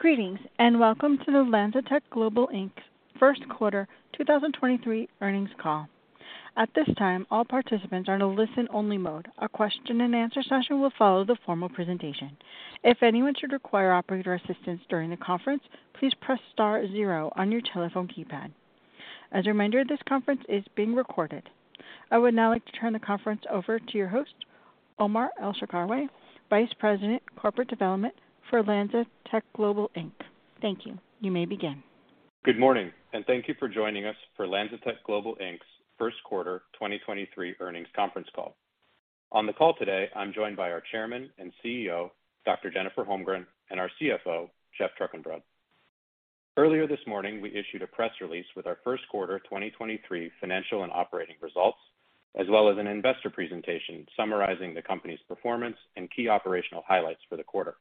Greetings, welcome to the LanzaTech Global, Inc.'s first quarter 2023 earnings call. At this time, all participants are in a listen-only mode. A question and answer session will follow the formal presentation. If anyone should require operator assistance during the conference, please press star zero on your telephone keypad. As a reminder, this conference is being recorded. I would now like to turn the conference over to your host, Omar El-Sharkawy, Vice President, Corporate Development for LanzaTech Global, Inc.. Thank you. You may begin. Good morning, thank you for joining us for LanzaTech Global, Inc.'s first quarter 2023 earnings conference call. On the call today, I'm joined by our Chairman and CEO, Dr. Jennifer Holmgren, and our CFO, Geoff Trukenbrod. Earlier this morning, we issued a press release with our first quarter 2023 financial and operating results, as well as an investor presentation summarizing the company's performance and key operational highlights for the quarter.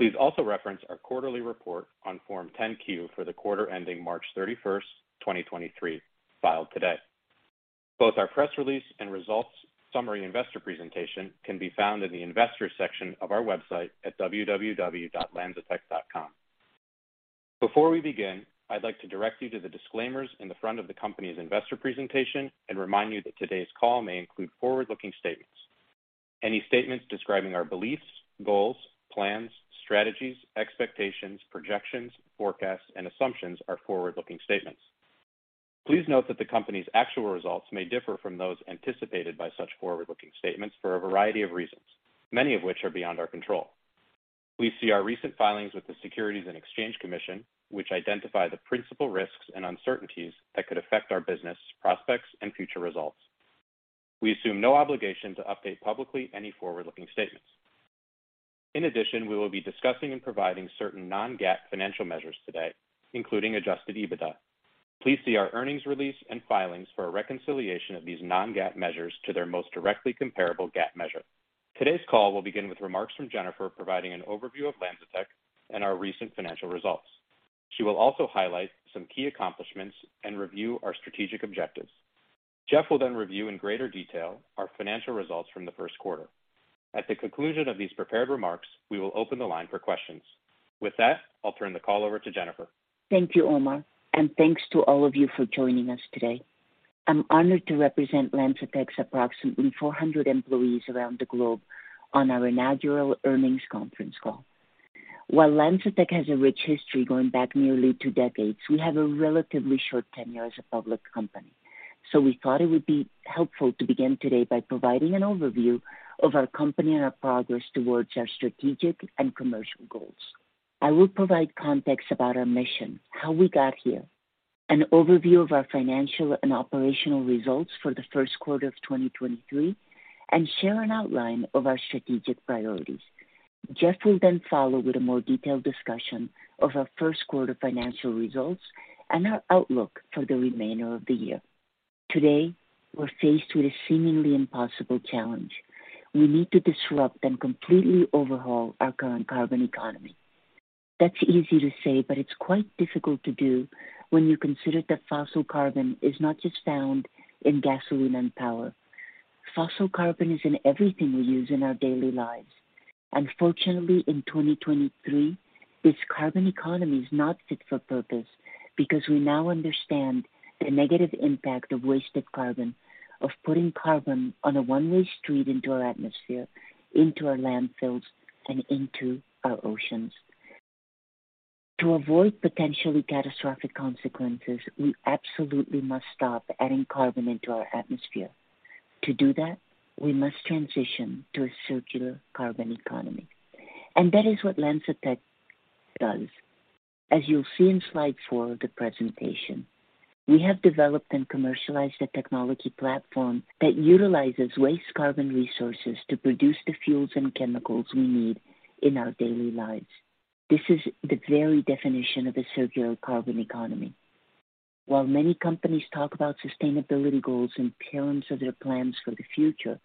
Please also reference our quarterly report on Form 10-Q for the quarter ending March 31st, 2023, filed today. Both our press release and results summary investor presentation can be found in the investor section of our website at www.LanzaTech.com. Before we begin, I'd like to direct you to the disclaimers in the front of the company's investor presentation and remind you that today's call may include forward-looking statements. Any statements describing our beliefs, goals, plans, strategies, expectations, projections, forecasts, and assumptions are forward-looking statements. Please note that the company's actual results may differ from those anticipated by such forward-looking statements for a variety of reasons, many of which are beyond our control. Please see our recent filings with the Securities and Exchange Commission, which identify the principal risks and uncertainties that could affect our business prospects and future results. We assume no obligation to update publicly any forward-looking statements. We will be discussing and providing certain non-GAAP financial measures today, including adjusted EBITDA. Please see our earnings release and filings for a reconciliation of these non-GAAP measures to their most directly comparable GAAP measure. Today's call will begin with remarks from Jennifer, providing an overview of LanzaTech and our recent financial results. She will also highlight some key accomplishments and review our strategic objectives. Geoff will then review in greater detail our financial results from the first quarter. At the conclusion of these prepared remarks, we will open the line for questions. With that, I'll turn the call over to Jennifer. Thank you, Omar, thanks to all of you for joining us today. I'm honored to represent LanzaTech's approximately 400 employees around the globe on our inaugural earnings conference call. While LanzaTech has a rich history going back nearly 2 decades, we have a relatively short tenure as a public company. We thought it would be helpful to begin today by providing an overview of our company and our progress towards our strategic and commercial goals. I will provide context about our mission, how we got here, an overview of our financial and operational results for the first quarter of 2023, and share an outline of our strategic priorities. Geoff will follow with a more detailed discussion of our first quarter financial results and our outlook for the remainder of the year. Today, we're faced with a seemingly impossible challenge. We need to disrupt and completely overhaul our current carbon economy. That's easy to say, but it's quite difficult to do when you consider that fossil carbon is not just found in gasoline and power. Fossil carbon is in everything we use in our daily lives. Unfortunately, in 2023, this carbon economy is not fit for purpose because we now understand the negative impact of wasted carbon, of putting carbon on a one-way street into our atmosphere, into our landfills, and into our oceans. To avoid potentially catastrophic consequences, we absolutely must stop adding carbon into our atmosphere. To do that, we must transition to a circular carbon economy, and that is what LanzaTech does. As you'll see in slide 4 of the presentation, we have developed and commercialized a technology platform that utilizes waste carbon resources to produce the fuels and chemicals we need in our daily lives. This is the very definition of a circular carbon economy. While many companies talk about sustainability goals and pyramids of their plans for the future,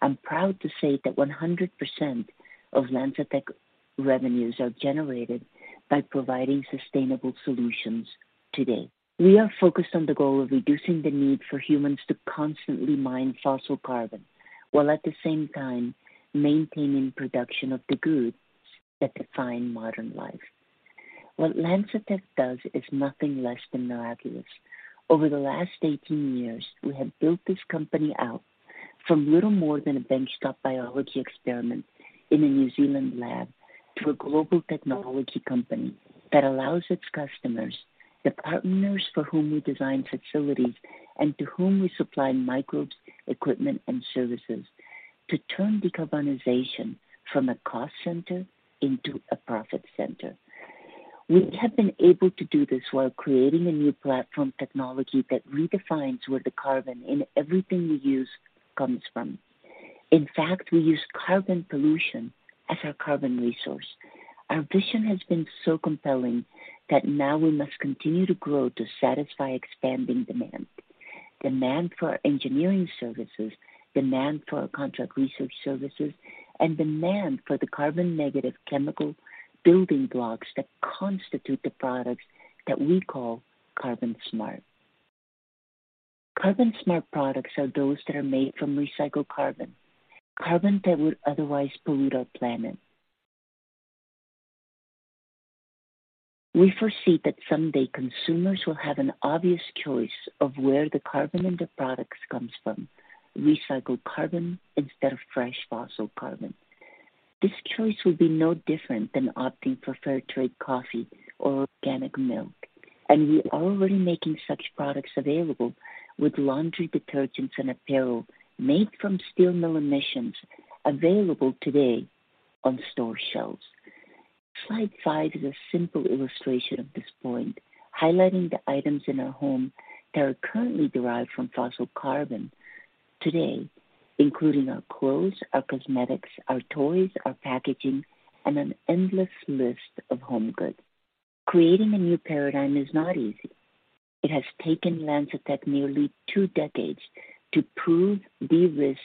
I'm proud to say that 100% of LanzaTech revenues are generated by providing sustainable solutions today. We are focused on the goal of reducing the need for humans to constantly mine fossil carbon while at the same time maintaining production of the goods that define modern life. What LanzaTech does is nothing less than miraculous. Over the last 18 years, we have built this company out from little more than a benchtop biology experiment in a New Zealand lab to a global technology company that allows its customers, the partners for whom we design facilities and to whom we supply microbes, equipment, and services to turn decarbonization from a cost center into a profit center. We have been able to do this while creating a new platform technology that redefines where the carbon in everything we use comes from. In fact, we use carbon pollution as our carbon resource. Our vision has been so compelling that now we must continue to grow to satisfy expanding demand. Demand for our engineering services, demand for our contract research services, and demand for the carbon negative chemical building blocks that constitute the products that we call CarbonSmart. CarbonSmart products are those that are made from recycled carbon that would otherwise pollute our planet. We foresee that someday consumers will have an obvious choice of where the carbon in their products comes from, recycled carbon instead of fresh fossil carbon. This choice will be no different than opting for fair trade coffee or organic milk. We are already making such products available with laundry detergents and apparel made from steel mill emissions available today on store shelves. Slide five is a simple illustration of this point, highlighting the items in our home that are currently derived from fossil carbon today, including our clothes, our cosmetics, our toys, our packaging, and an endless list of home goods. Creating a new paradigm is not easy. It has taken LanzaTech nearly two decades to prove, de-risk,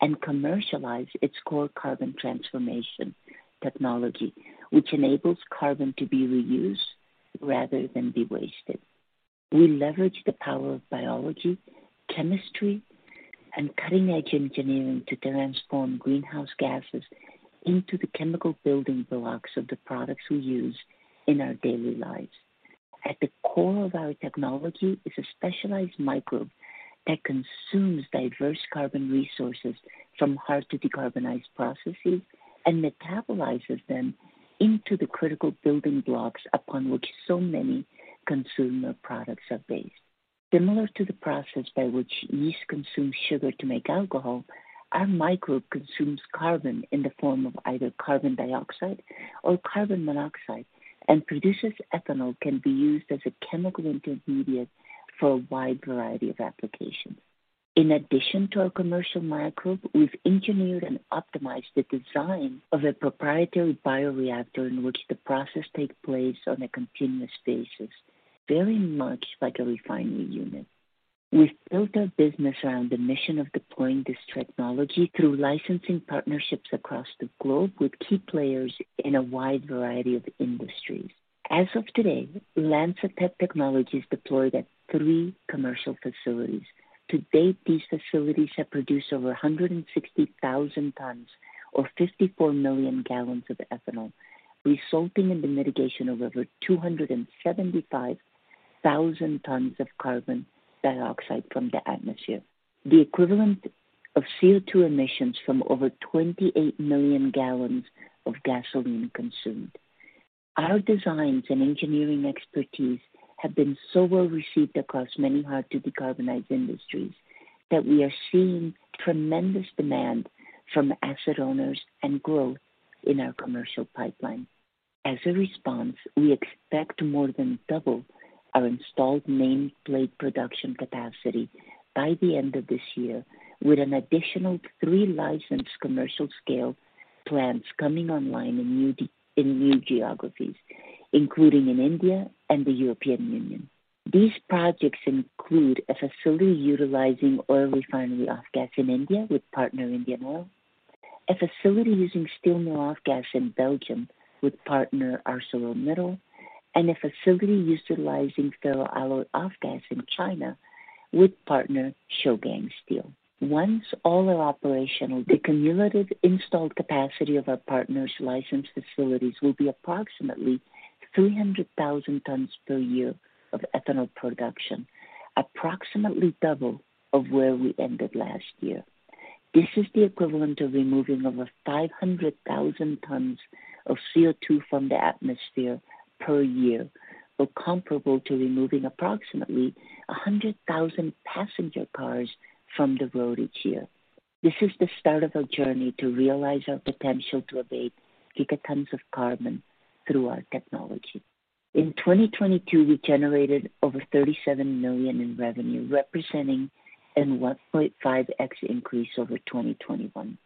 and commercialize its core carbon transformation technology, which enables carbon to be reused rather than be wasted. We leverage the power of biology, chemistry, and cutting-edge engineering to transform greenhouse gases into the chemical building blocks of the products we use in our daily lives. At the core of our technology is a specialized microbe that consumes diverse carbon resources from hard-to-decarbonize processes and metabolizes them into the critical building blocks upon which so many consumer products are based. Similar to the process by which yeast consumes sugar to make alcohol, our microbe consumes carbon in the form of either carbon dioxide or carbon monoxide and produces ethanol, can be used as a chemical intermediate for a wide variety of applications. In addition to our commercial microbe, we've engineered and optimized the design of a proprietary bioreactor in which the process takes place on a continuous basis, very much like a refinery unit. We've built our business around the mission of deploying this technology through licensing partnerships across the globe with key players in a wide variety of industries. As of today, LanzaTech technology is deployed at three commercial facilities. To date, these facilities have produced over 160,000 tons or 54 million gallons of ethanol, resulting in the mitigation of over 275,000 tons of carbon dioxide from the atmosphere. The equivalent of CO2 emissions from over 28 million gallons of gasoline consumed. Our designs and engineering expertise have been so well received across many hard-to-decarbonize industries that we are seeing tremendous demand from asset owners and growth in our commercial pipeline. As a response, we expect to more than double our installed nameplate production capacity by the end of this year, with an additional three licensed commercial scale plants coming online in new geographies, including in India and the European Union. These projects include a facility utilizing oil refinery off-gas in India with partner Indian Oil, a facility using steel mill off-gas in Belgium with partner ArcelorMittal, and a facility utilizing ferroalloy off-gas in China with partner Shougang Group. Once all are operational, the cumulative installed capacity of our partners' licensed facilities will be approximately 300,000 tons per year of ethanol production, approximately double of where we ended last year. This is the equivalent of removing over 500,000 tons of CO2 from the atmosphere per year, or comparable to removing approximately 100,000 passenger cars from the road each year. This is the start of our journey to realize our potential to abate gigatons of carbon through our technology. In 2022, we generated over $37 million in revenue, representing a 1.5x increase over 2021.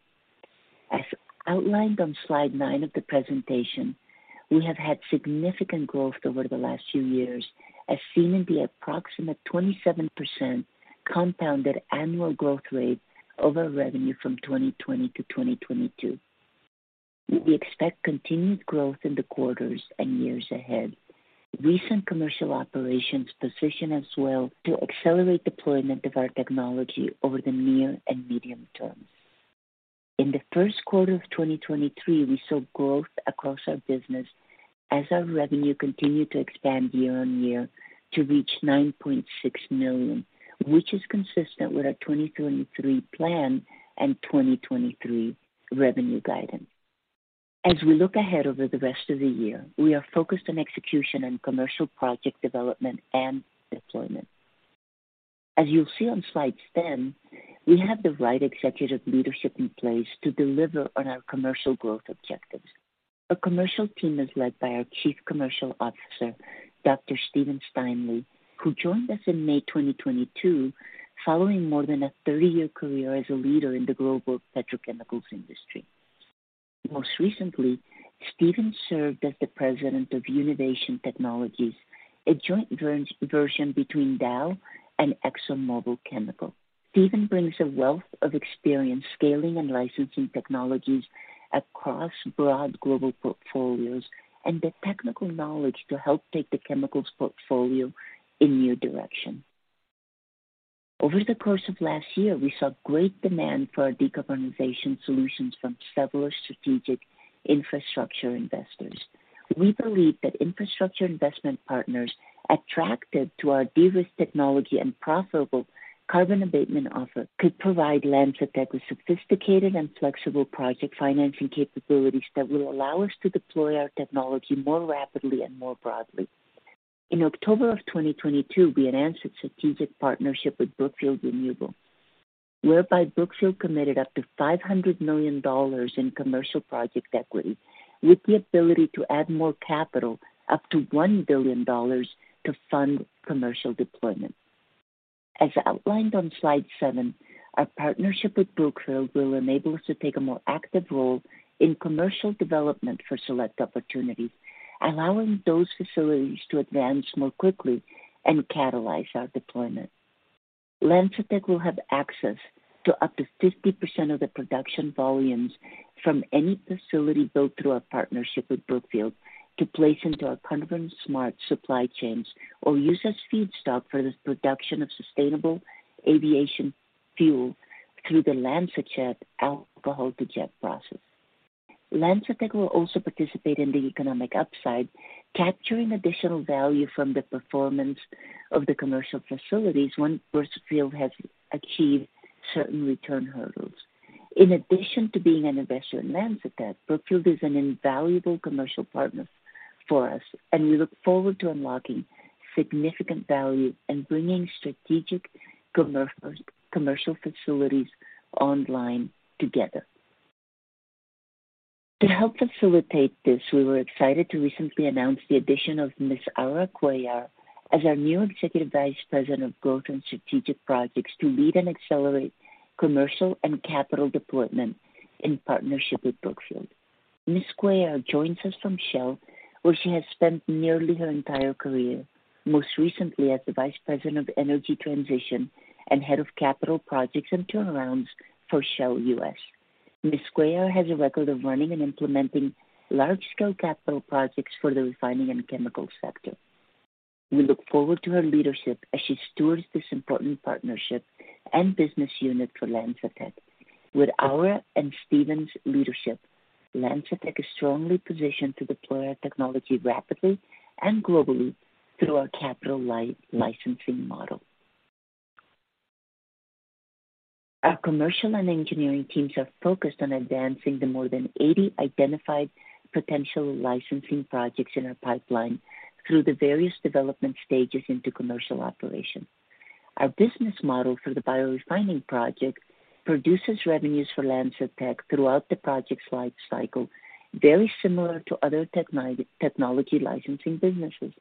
As outlined on slide 9 of the presentation, we have had significant growth over the last few years, as seen in the approximate 27% compounded annual growth rate of our revenue from 2020 to 2022. We expect continued growth in the quarters and years ahead. Recent commercial operations position us well to accelerate deployment of our technology over the near and medium term. In the first quarter of 2023, we saw growth across our business as our revenue continued to expand year-over-year to reach $9.6 million, which is consistent with our 2023 plan and 2023 revenue guidance. As we look ahead over the rest of the year, we are focused on execution and commercial project development and deployment. As you'll see on slide 10, we have the right executive leadership in place to deliver on our commercial growth objectives. Our commercial team is led by our Chief Commercial Officer, Dr. Steven Stanley, who joined us in May 2022 following more than a 30-year career as a leader in the global petrochemicals industry. Most recently, Steven served as the President of Univation Technologies, a joint venture between Dow and ExxonMobil Chemical. Steven brings a wealth of experience scaling and licensing technologies across broad global portfolios and the technical knowledge to help take the chemicals portfolio in new direction. Over the course of last year, we saw great demand for our decarbonization solutions from several strategic infrastructure investors. We believe that infrastructure investment partners attracted to our de-risk technology and profitable carbon abatement offer could provide LanzaTech with sophisticated and flexible project financing capabilities that will allow us to deploy our technology more rapidly and more broadly. In October of 2022, we announced a strategic partnership with Brookfield Renewable, whereby Brookfield committed up to $500 million in commercial project equity, with the ability to add more capital up to $1 billion to fund commercial deployment. As outlined on slide 7, our partnership with Brookfield will enable us to take a more active role in commercial development for select opportunities, allowing those facilities to advance more quickly and catalyze our deployment. LanzaTech will have access to up to 50% of the production volumes from any facility built through our partnership with Brookfield to place into our CarbonSmart supply chains or use as feedstock for the production of Sustainable Aviation Fuel through the LanzaJet Alcohol-to-Jet process. LanzaTech will also participate in the economic upside, capturing additional value from the performance of the commercial facilities once Brookfield has achieved certain return hurdles. In addition to being an investor in LanzaTech, Brookfield is an invaluable commercial partner for us, and we look forward to unlocking significant value and bringing strategic commercial facilities online together. To help facilitate this, we were excited to recently announce the addition of Ms. Aura Cuellar as our new Executive Vice President of Growth and Strategic Projects to lead and accelerate commercial and capital deployment in partnership with Brookfield. Ms. Cuellar joins us from Shell, where she has spent nearly her entire career, most recently as the Vice President of Energy Transition and Head of Capital Projects and Turnarounds for Shell US. Ms. Cuellar has a record of running and implementing large-scale capital projects for the refining and chemicals sector. We look forward to her leadership as she stewards this important partnership and business unit for LanzaTech. With Aura and Steven's leadership, LanzaTech is strongly positioned to deploy our technology rapidly and globally through our capital licensing model. Our commercial and engineering teams are focused on advancing the more than 80 identified potential licensing projects in our pipeline through the various development stages into commercial operation. Our business model for the biorefining project produces revenues for LanzaTech throughout the project's life cycle, very similar to other technology licensing businesses.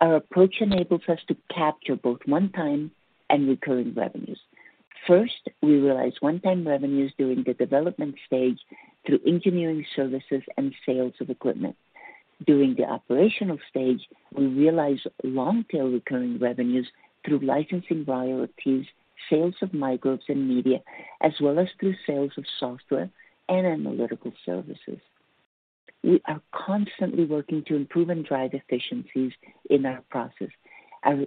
Our approach enables us to capture both one-time and recurring revenues. First, we realize one-time revenues during the development stage through engineering services and sales of equipment. During the operational stage, we realize long-tail recurring revenues through licensing royalties, sales of microbes and media, as well as through sales of software and analytical services. We are constantly working to improve and drive efficiencies in our process. As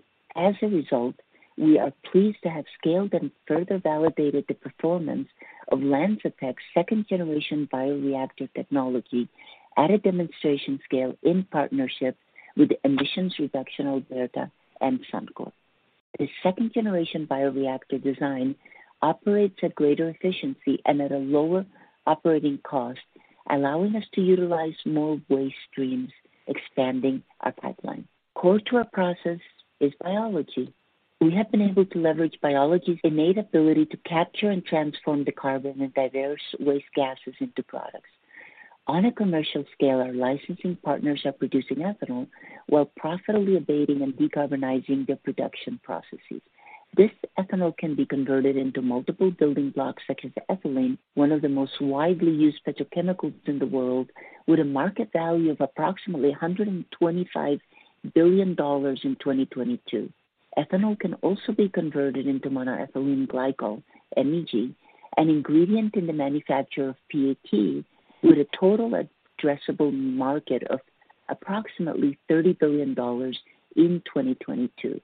a result, we are pleased to have scaled and further validated the performance of LanzaTech's second-generation bioreactor technology at a demonstration scale in partnership with Emissions Reduction Alberta and Suncor. The second-generation bioreactor design operates at greater efficiency and at a lower operating cost, allowing us to utilize more waste streams, expanding our pipeline. Core to our process is biology. We have been able to leverage biology's innate ability to capture and transform the carbon and diverse waste gases into products. On a commercial scale, our licensing partners are producing ethanol while profitably abating and decarbonizing their production processes. This ethanol can be converted into multiple building blocks, such as ethylene, one of the most widely used petrochemicals in the world, with a market value of approximately $125 billion in 2022. Ethanol can also be converted into monoethylene glycol, MEG, an ingredient in the manufacture of PET, with a total addressable market of approximately $30 billion in 2022.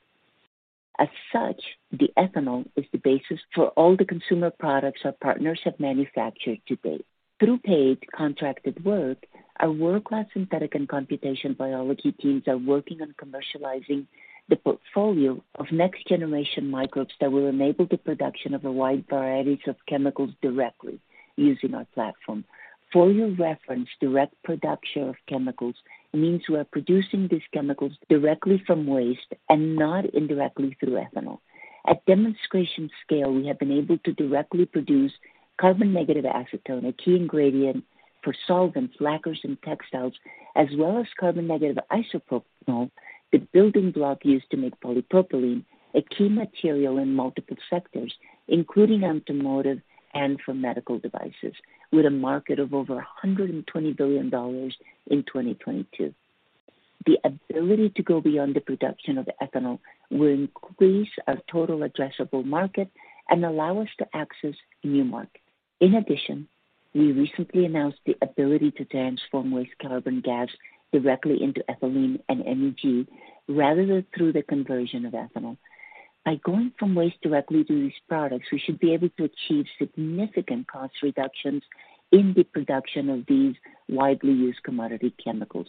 As such, the ethanol is the basis for all the consumer products our partners have manufactured to date. Through paid contracted work, our world-class synthetic and computation biology teams are working on commercializing the portfolio of next-generation microbes that will enable the production of a wide variety of chemicals directly using our platform. For your reference, direct production of chemicals means we are producing these chemicals directly from waste and not indirectly through ethanol. At demonstration scale, we have been able to directly produce carbon negative acetone, a key ingredient for solvents, lacquers, and textiles, as well as carbon negative isopropanol, the building block used to make polypropylene, a key material in multiple sectors, including automotive and for medical devices, with a market of over $120 billion in 2022. The ability to go beyond the production of ethanol will increase our total addressable market and allow us to access new markets. We recently announced the ability to transform waste carbon gas directly into ethylene and MEG rather than through the conversion of ethanol. By going from waste directly to these products, we should be able to achieve significant cost reductions in the production of these widely used commodity chemicals.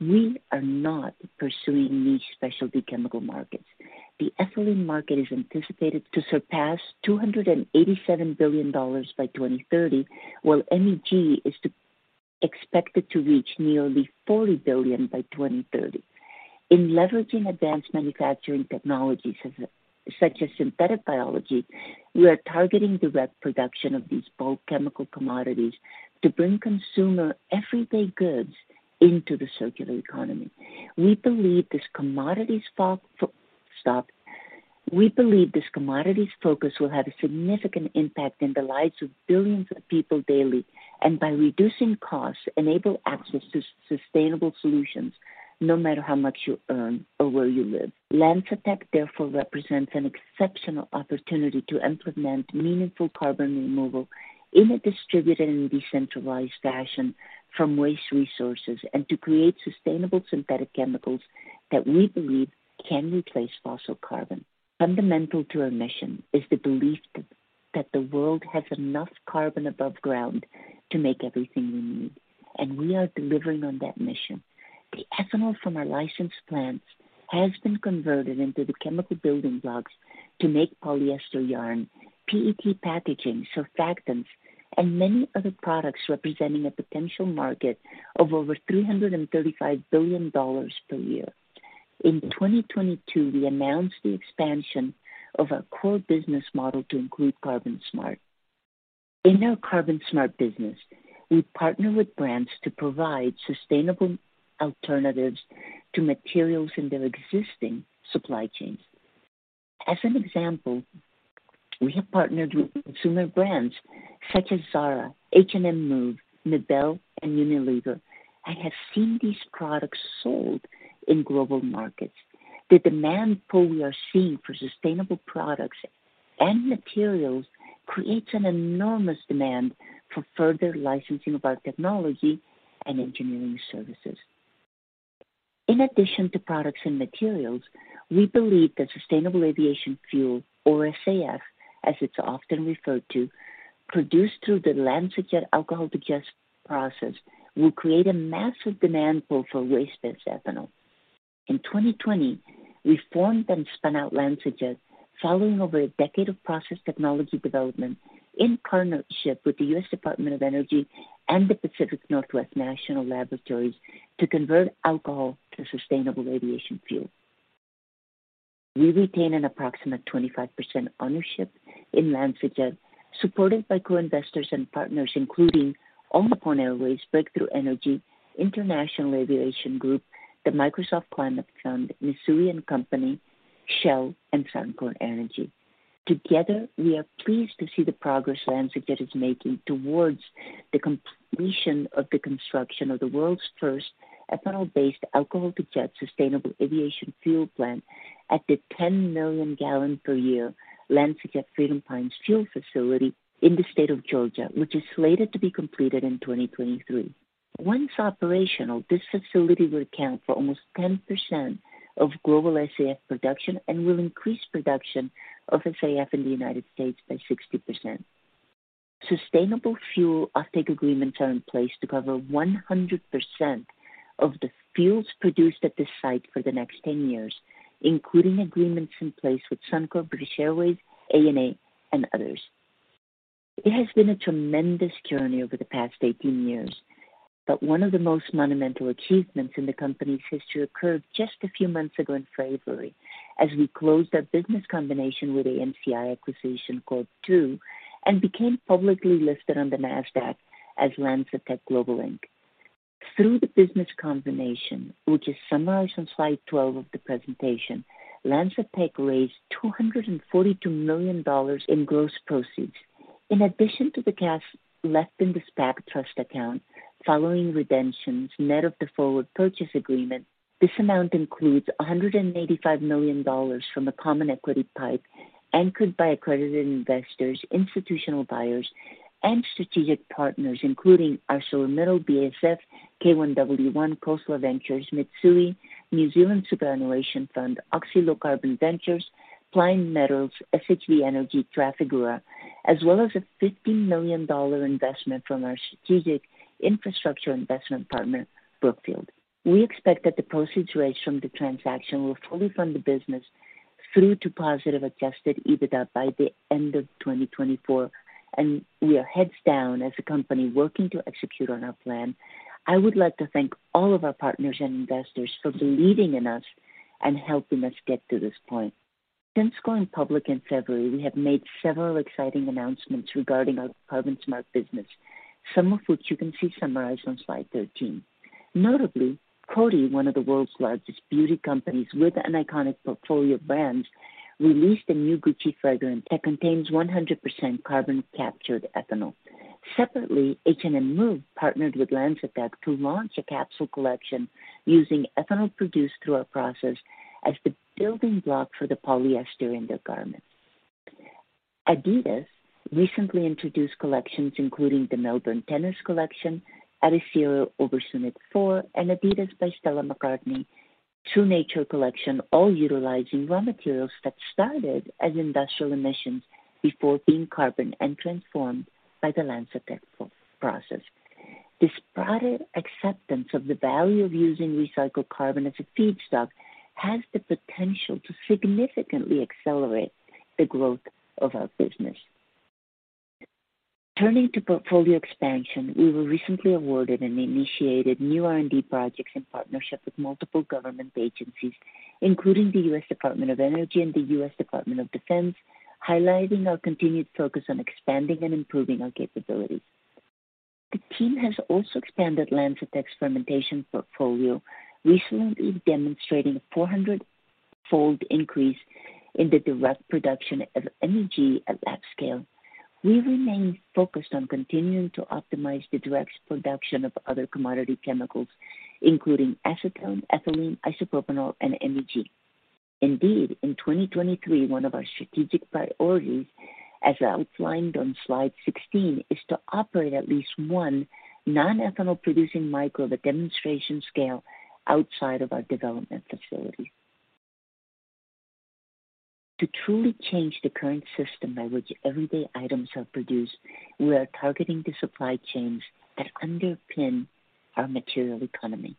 We are not pursuing niche specialty chemical markets. The ethylene market is anticipated to surpass $287 billion by 2030, while MEG is expected to reach nearly $40 billion by 2030. In leveraging advanced manufacturing technologies such as synthetic biology, we are targeting direct production of these bulk chemical commodities to bring consumer everyday goods into the circular economy. We believe this commodities focus will have a significant impact in the lives of billions of people daily and by reducing costs, enable access to sustainable solutions no matter how much you earn or where you live. LanzaTech therefore represents an exceptional opportunity to implement meaningful carbon removal in a distributed and decentralized fashion from waste resources and to create sustainable synthetic chemicals that we believe can replace fossil carbon. Fundamental to our mission is the belief that the world has enough carbon above ground to make everything we need. We are delivering on that mission. The ethanol from our licensed plants has been converted into the chemical building blocks to make polyester yarn, PET packaging, surfactants, and many other products representing a potential market of over $335 billion per year. In 2022, we announced the expansion of our core business model to include CarbonSmart. In our CarbonSmart business, we partner with brands to provide sustainable alternatives to materials in their existing supply chains. As an example, we have partnered with consumer brands such as Zara, H&M Move, Nabel, and Unilever, and have seen these products sold in global markets. The demand pool we are seeing for sustainable products and materials creates an enormous demand for further licensing of our technology and engineering services. In addition to products and materials, we believe that sustainable aviation fuel, or SAF as it's often referred to, produced through the LanzaJet Alcohol-to-Jet process, will create a massive demand pool for waste-based ethanol. In 2020, we formed and spun out LanzaJet following over a decade of process technology development in partnership with the U.S. Department of Energy and the Pacific Northwest National Laboratory to convert alcohol to sustainable aviation fuel. We retain an approximate 25% ownership in LanzaJet, supported by co-investors and partners including All Nippon Airways, Breakthrough Energy, International Airlines Group, the Microsoft Climate Innovation Fund, Mitsui & Co., Shell and Suncor Energy. Together, we are pleased to see the progress LanzaJet is making towards the completion of the construction of the world's first ethanol-based Alcohol-to-Jet sustainable aviation fuel plant at the 10 million gallon per year LanzaJet Freedom Pines Fuel facility in the state of Georgia, which is slated to be completed in 2023. Once operational, this facility will account for almost 10% of global SAF production and will increase production of SAF in the United States by 60%. Sustainable fuel offtake agreements are in place to cover 100% of the fuels produced at this site for the next 10 years, including agreements in place with Suncor, British Airways, ANA, and others. It has been a tremendous journey over the past 18 years, one of the most monumental achievements in the company's history occurred just a few months ago in February as we closed our business combination with AMCI Acquisition Corp. II and became publicly listed on the Nasdaq as LanzaTech Global, Inc. Through the business combination, which is summarized on slide 12 of the presentation, LanzaTech raised $242 million in gross proceeds. In addition to the cash left in the SPAC trust account following redemptions, net of the forward purchase agreement, this amount includes $185 million from a common equity pipe anchored by accredited investors, institutional buyers and strategic partners including ArcelorMittal, BASF, K1W1, Khosla Ventures, Mitsui, New Zealand Superannuation Fund, Oxy Low Carbon Ventures, Klein Metals, SHV Energy, Trafigura, as well as a $50 million investment from our strategic infrastructure investment partner, Brookfield. We expect that the proceeds raised from the transaction will fully fund the business through to positive adjusted EBITDA by the end of 2024, and we are heads down as a company working to execute on our plan. I would like to thank all of our partners and investors for believing in us and helping us get to this point. Since going public in February, we have made several exciting announcements regarding our CarbonSmart business, some of which you can see summarized on slide 13. Notably, Coty, one of the world's largest beauty companies with an iconic portfolio of brands, released a new Gucci fragrance that contains 100% carbon captured ethanol. Separately, H&M Move partnered with LanzaTech to launch a capsule collection using ethanol produced through our process as the building block for the polyester in their garments. Adidas recently introduced collections including the Melbourne Tennis Collection, adizero Ubersonic 4, and Adidas by Stella McCartney TrueNature Collection, all utilizing raw materials that started as industrial emissions before being carbon and transformed by the LanzaTech process. This broader acceptance of the value of using recycled carbon as a feedstock has the potential to significantly accelerate the growth of our business. Turning to portfolio expansion, we were recently awarded and initiated new R&D projects in partnership with multiple government agencies, including the U.S. Department of Energy and the U.S. Department of Defense, highlighting our continued focus on expanding and improving our capabilities. The team has also expanded LanzaTech's fermentation portfolio, recently demonstrating a 400-fold increase in the direct production of MEG at lab scale. We remain focused on continuing to optimize the direct production of other commodity chemicals, including acetone, ethylene, isopropanol, and MEG. Indeed, in 2023, one of our strategic priorities, as outlined on slide 16, is to operate at least one non-ethanol producing microbe at demonstration scale outside of our development facilities. To truly change the current system by which everyday items are produced, we are targeting the supply chains that underpin our material economy.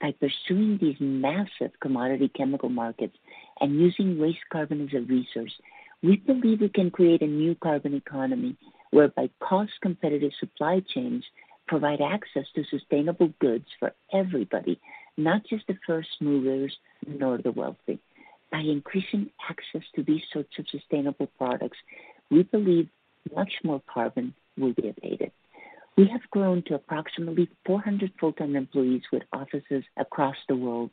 By pursuing these massive commodity chemical markets and using waste carbon as a resource, we believe we can create a new carbon economy whereby cost-competitive supply chains provide access to sustainable goods for everybody, not just the first movers, nor the wealthy. By increasing access to these sorts of sustainable products, we believe much more carbon will be abated. We have grown to approximately 400 full-time employees with offices across the world.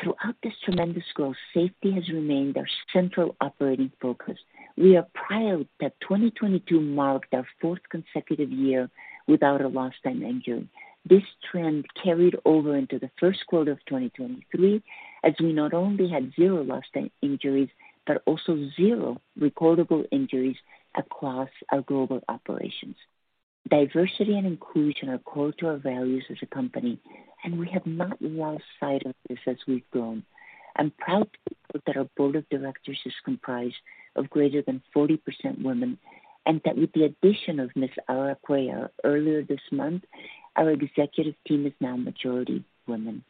Throughout this tremendous growth, safety has remained our central operating focus. We are proud that 2022 marked our 4th consecutive year without a lost time injury. This trend carried over into the first quarter of 2023, as we not only had 0 lost time injuries, but also 0 recordable injuries across our global operations. Diversity and inclusion are core to our values as a company, and we have not lost sight of this as we've grown. I'm proud that our board of directors is comprised of greater than 40% women, that with the addition of Ms. Aura Cuellar earlier this month, our executive team is now majority women.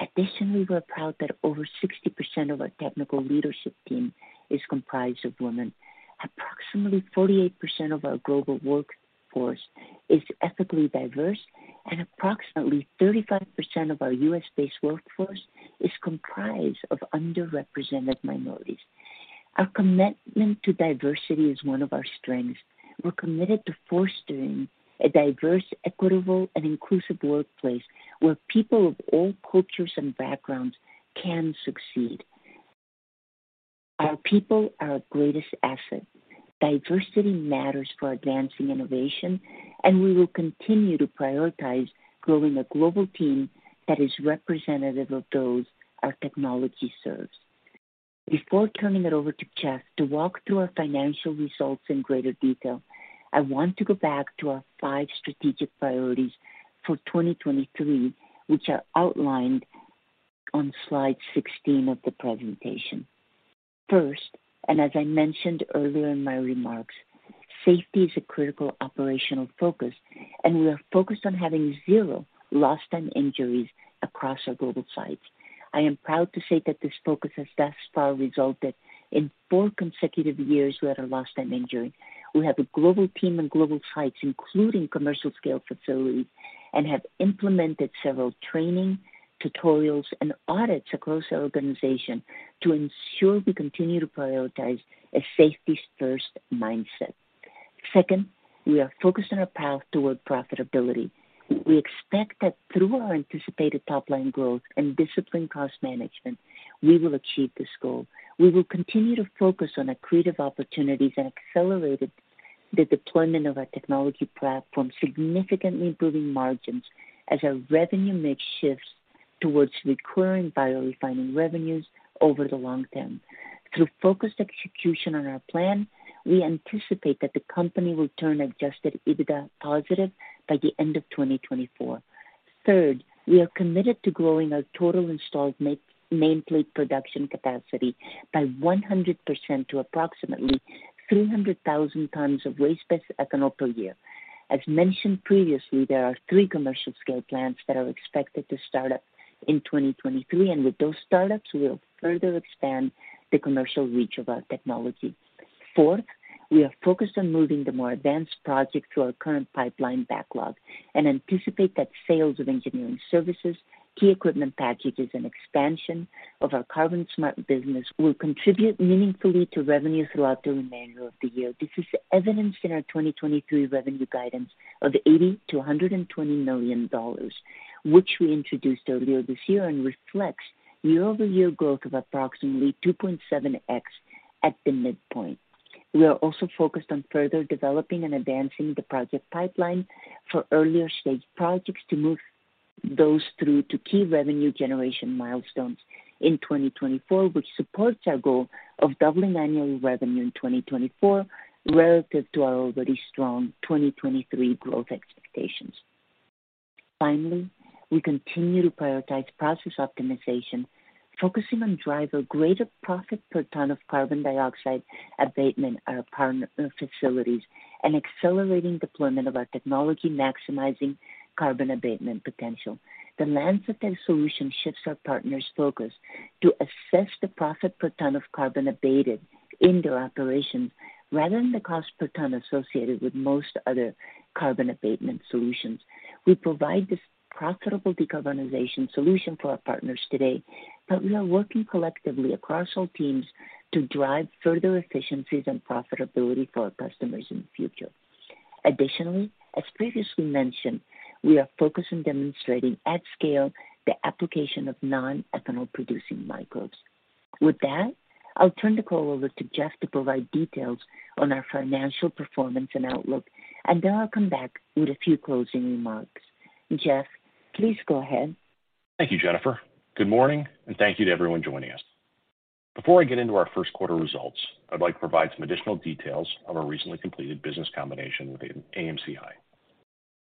Additionally, we're proud that over 60% of our technical leadership team is comprised of women. Approximately 48% of our global workforce is ethically diverse, approximately 35% of our U.S.-based workforce is comprised of underrepresented minorities. Our commitment to diversity is one of our strengths. We're committed to fostering a diverse, equitable, and inclusive workplace where people of all cultures and backgrounds can succeed. Our people are our greatest asset. Diversity matters for advancing innovation, we will continue to prioritize growing a global team that is representative of those our technology serves. Before turning it over to Geoff to walk through our financial results in greater detail, I want to go back to our 5 strategic priorities for 2023, which are outlined on slide 16 of the presentation. First, and as I mentioned earlier in my remarks, safety is a critical operational focus, and we are focused on having zero lost time injuries across our global sites. I am proud to say that this focus has thus far resulted in 4 consecutive years without a lost time injury. We have a global team and global sites, including commercial scale facilities, and have implemented several training tutorials and audits across our organization to ensure we continue to prioritize a safety first mindset. Second, we are focused on our path toward profitability. We expect that through our anticipated top line growth and disciplined cost management, we will achieve this goal. We will continue to focus on accretive opportunities and accelerated the deployment of our technology platform, significantly improving margins as our revenue mix shifts towards recurring biorefining revenues over the long term. Through focused execution on our plan, we anticipate that the company will turn adjusted EBITDA positive by the end of 2024. Third, we are committed to growing our total installed nameplate production capacity by 100% to approximately 300,000 tons of waste-based ethanol per year. As mentioned previously, there are three commercial scale plants that are expected to start up in 2023, and with those startups, we will further expand the commercial reach of our technology. We are focused on moving the more advanced projects through our current pipeline backlog and anticipate that sales of engineering services, key equipment packages, and expansion of our CarbonSmart business will contribute meaningfully to revenue throughout the remainder of the year. This is evidenced in our 2023 revenue guidance of $80 million-$120 million, which we introduced earlier this year, and reflects year-over-year growth of approximately 2.7x. At the midpoint. We are also focused on further developing and advancing the project pipeline for earlier stage projects to move those through to key revenue generation milestones in 2024, which supports our goal of doubling annual revenue in 2024 relative to our already strong 2023 growth expectations. We continue to prioritize process optimization, focusing on driver greater profit per ton of carbon dioxide abatement our partner facilities, and accelerating deployment of our technology, maximizing carbon abatement potential. The LanzaTech solution shifts our partners focus to assess the profit per ton of carbon abated in their operations rather than the cost per ton associated with most other carbon abatement solutions. We provide this profitable decarbonization solution for our partners today, but we are working collectively across all teams to drive further efficiencies and profitability for our customers in the future. As previously mentioned, we are focused on demonstrating at scale the application of non-ethanol producing microbes. With that, I'll turn the call over to Geoff to provide details on our financial performance and outlook, and then I'll come back with a few closing remarks. Geoff, please go ahead. Thank you, Jennifer. Good morning and thank you to everyone joining us. Before I get into our first quarter results, I'd like to provide some additional details of our recently completed business combination with AMCI.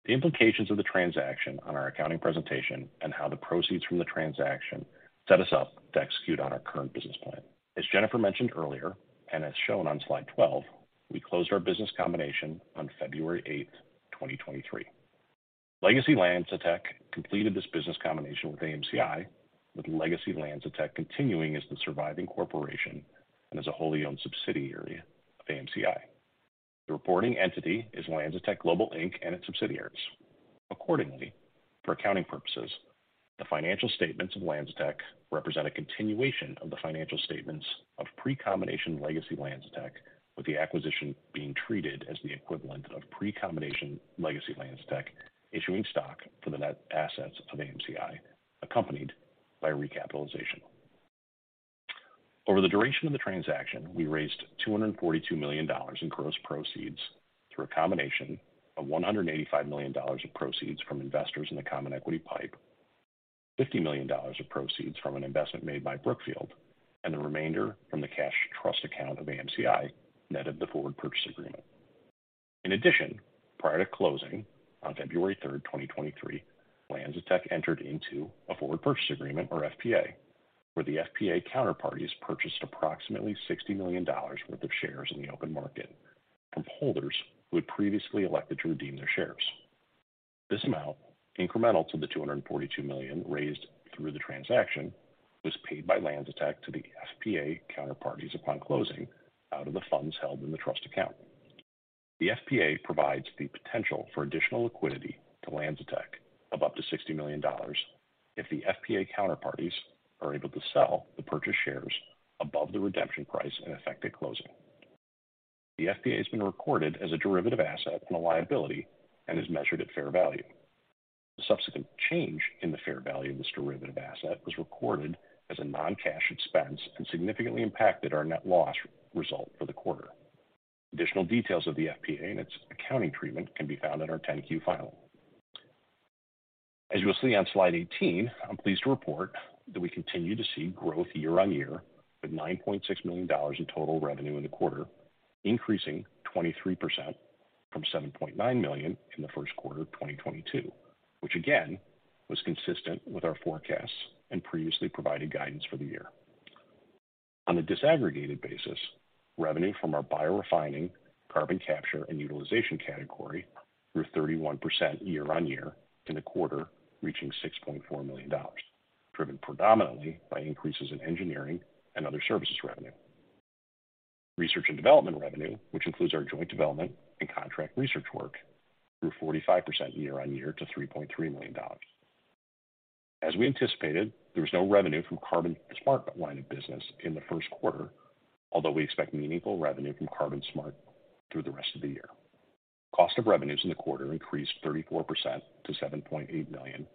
The implications of the transaction on our accounting presentation and how the proceeds from the transaction set us up to execute on our current business plan. As Jennifer mentioned earlier, and as shown on slide 12, we closed our business combination on February 8, 2023. Legacy LanzaTech completed this business combination with AMCI, with Legacy LanzaTech continuing as the surviving corporation and as a wholly owned subsidiary of AMCI. The reporting entity is LanzaTech Global Inc. Its subsidiaries. Accordingly, for accounting purposes, the financial statements of LanzaTech represent a continuation of the financial statements of pre-combination Legacy LanzaTech, with the acquisition being treated as the equivalent of pre-combination Legacy LanzaTech issuing stock for the net assets of AMCI, accompanied by recapitalization. Over the duration of the transaction, we raised $242 million in gross proceeds through a combination of $185 million of proceeds from investors in the common equity pipe, $50 million of proceeds from an investment made by Brookfield, and the remainder from the cash trust account of AMCI, net of the forward purchase agreement. In addition, prior to closing on February 3, 2023, LanzaTech entered into a forward purchase agreement, or FPA, where the FPA counterparties purchased approximately $60 million worth of shares in the open market from holders who had previously elected to redeem their shares. This amount, incremental to the $242 million raised through the transaction, was paid by LanzaTech to the FPA counterparties upon closing out of the funds held in the trust account. The FPA provides the potential for additional liquidity to LanzaTech of up to $60 million if the FPA counterparties are able to sell the purchase shares above the redemption price and effective closing. The FPA has been recorded as a derivative asset and a liability and is measured at fair value. The subsequent change in the fair value of this derivative asset was recorded as a non-cash expense and significantly impacted our net loss result for the quarter. Additional details of the FPA and its accounting treatment can be found in our Form 10-Q file. As you'll see on slide 18, I'm pleased to report that we continue to see growth year-on-year, with $9.6 million in total revenue in the quarter, increasing 23% from $7.9 million in the first quarter of 2022, which again was consistent with our forecasts and previously provided guidance for the year. On a disaggregated basis, revenue from our biorefining carbon capture and utilization category grew 31% year-on-year in the quarter, reaching $6.4 million, driven predominantly by increases in engineering and other services revenue. Research and development revenue, which includes our joint development and contract research work, grew 45% year-over-year to $3.3 million. As we anticipated, there was no revenue from CarbonSmart line of business in the first quarter, although we expect meaningful revenue from CarbonSmart through the rest of the year. Cost of revenues in the quarter increased 34% to $7.8 million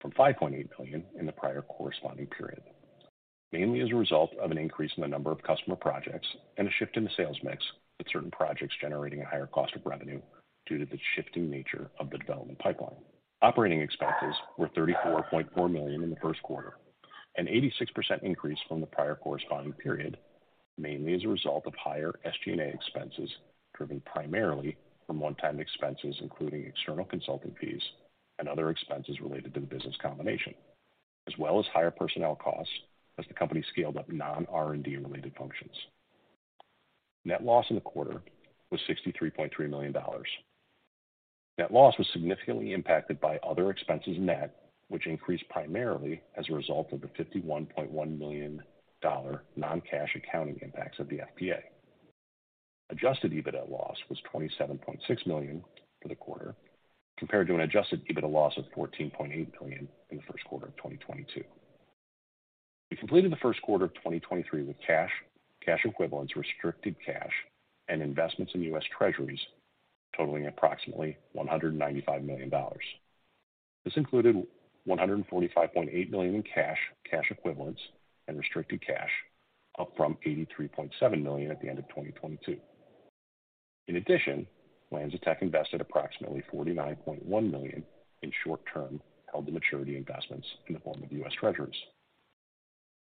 from $5.8 million in the prior corresponding period, mainly as a result of an increase in the number of customer projects and a shift in the sales mix, with certain projects generating a higher cost of revenue due to the shifting nature of the development pipeline. Operating expenses were $34.4 million in the first quarter, an 86% increase from the prior corresponding period, mainly as a result of higher SG&A expenses, driven primarily from one time expenses, including external consultant fees and other expenses related to the business combination, as well as higher personnel costs as the company scaled up non-R&D related functions. Net loss in the quarter was $63.3 million. Net loss was significantly impacted by other expenses net, which increased primarily as a result of the $51.1 million non-cash accounting impacts of the FPA. Adjusted EBITDA loss was $27.6 million for the quarter, compared to an adjusted EBITDA loss of $14.8 million in the first quarter of 2022. We completed the first quarter of 2023 with cash equivalents, restricted cash and investments in U.S. Treasuries totaling approximately $195 million. This included $145.8 million in cash equivalents, and restricted cash, up from $83.7 million at the end of 2022. In addition, LanzaTech invested approximately $49.1 million in short term held to maturity investments in the form of U.S. Treasuries.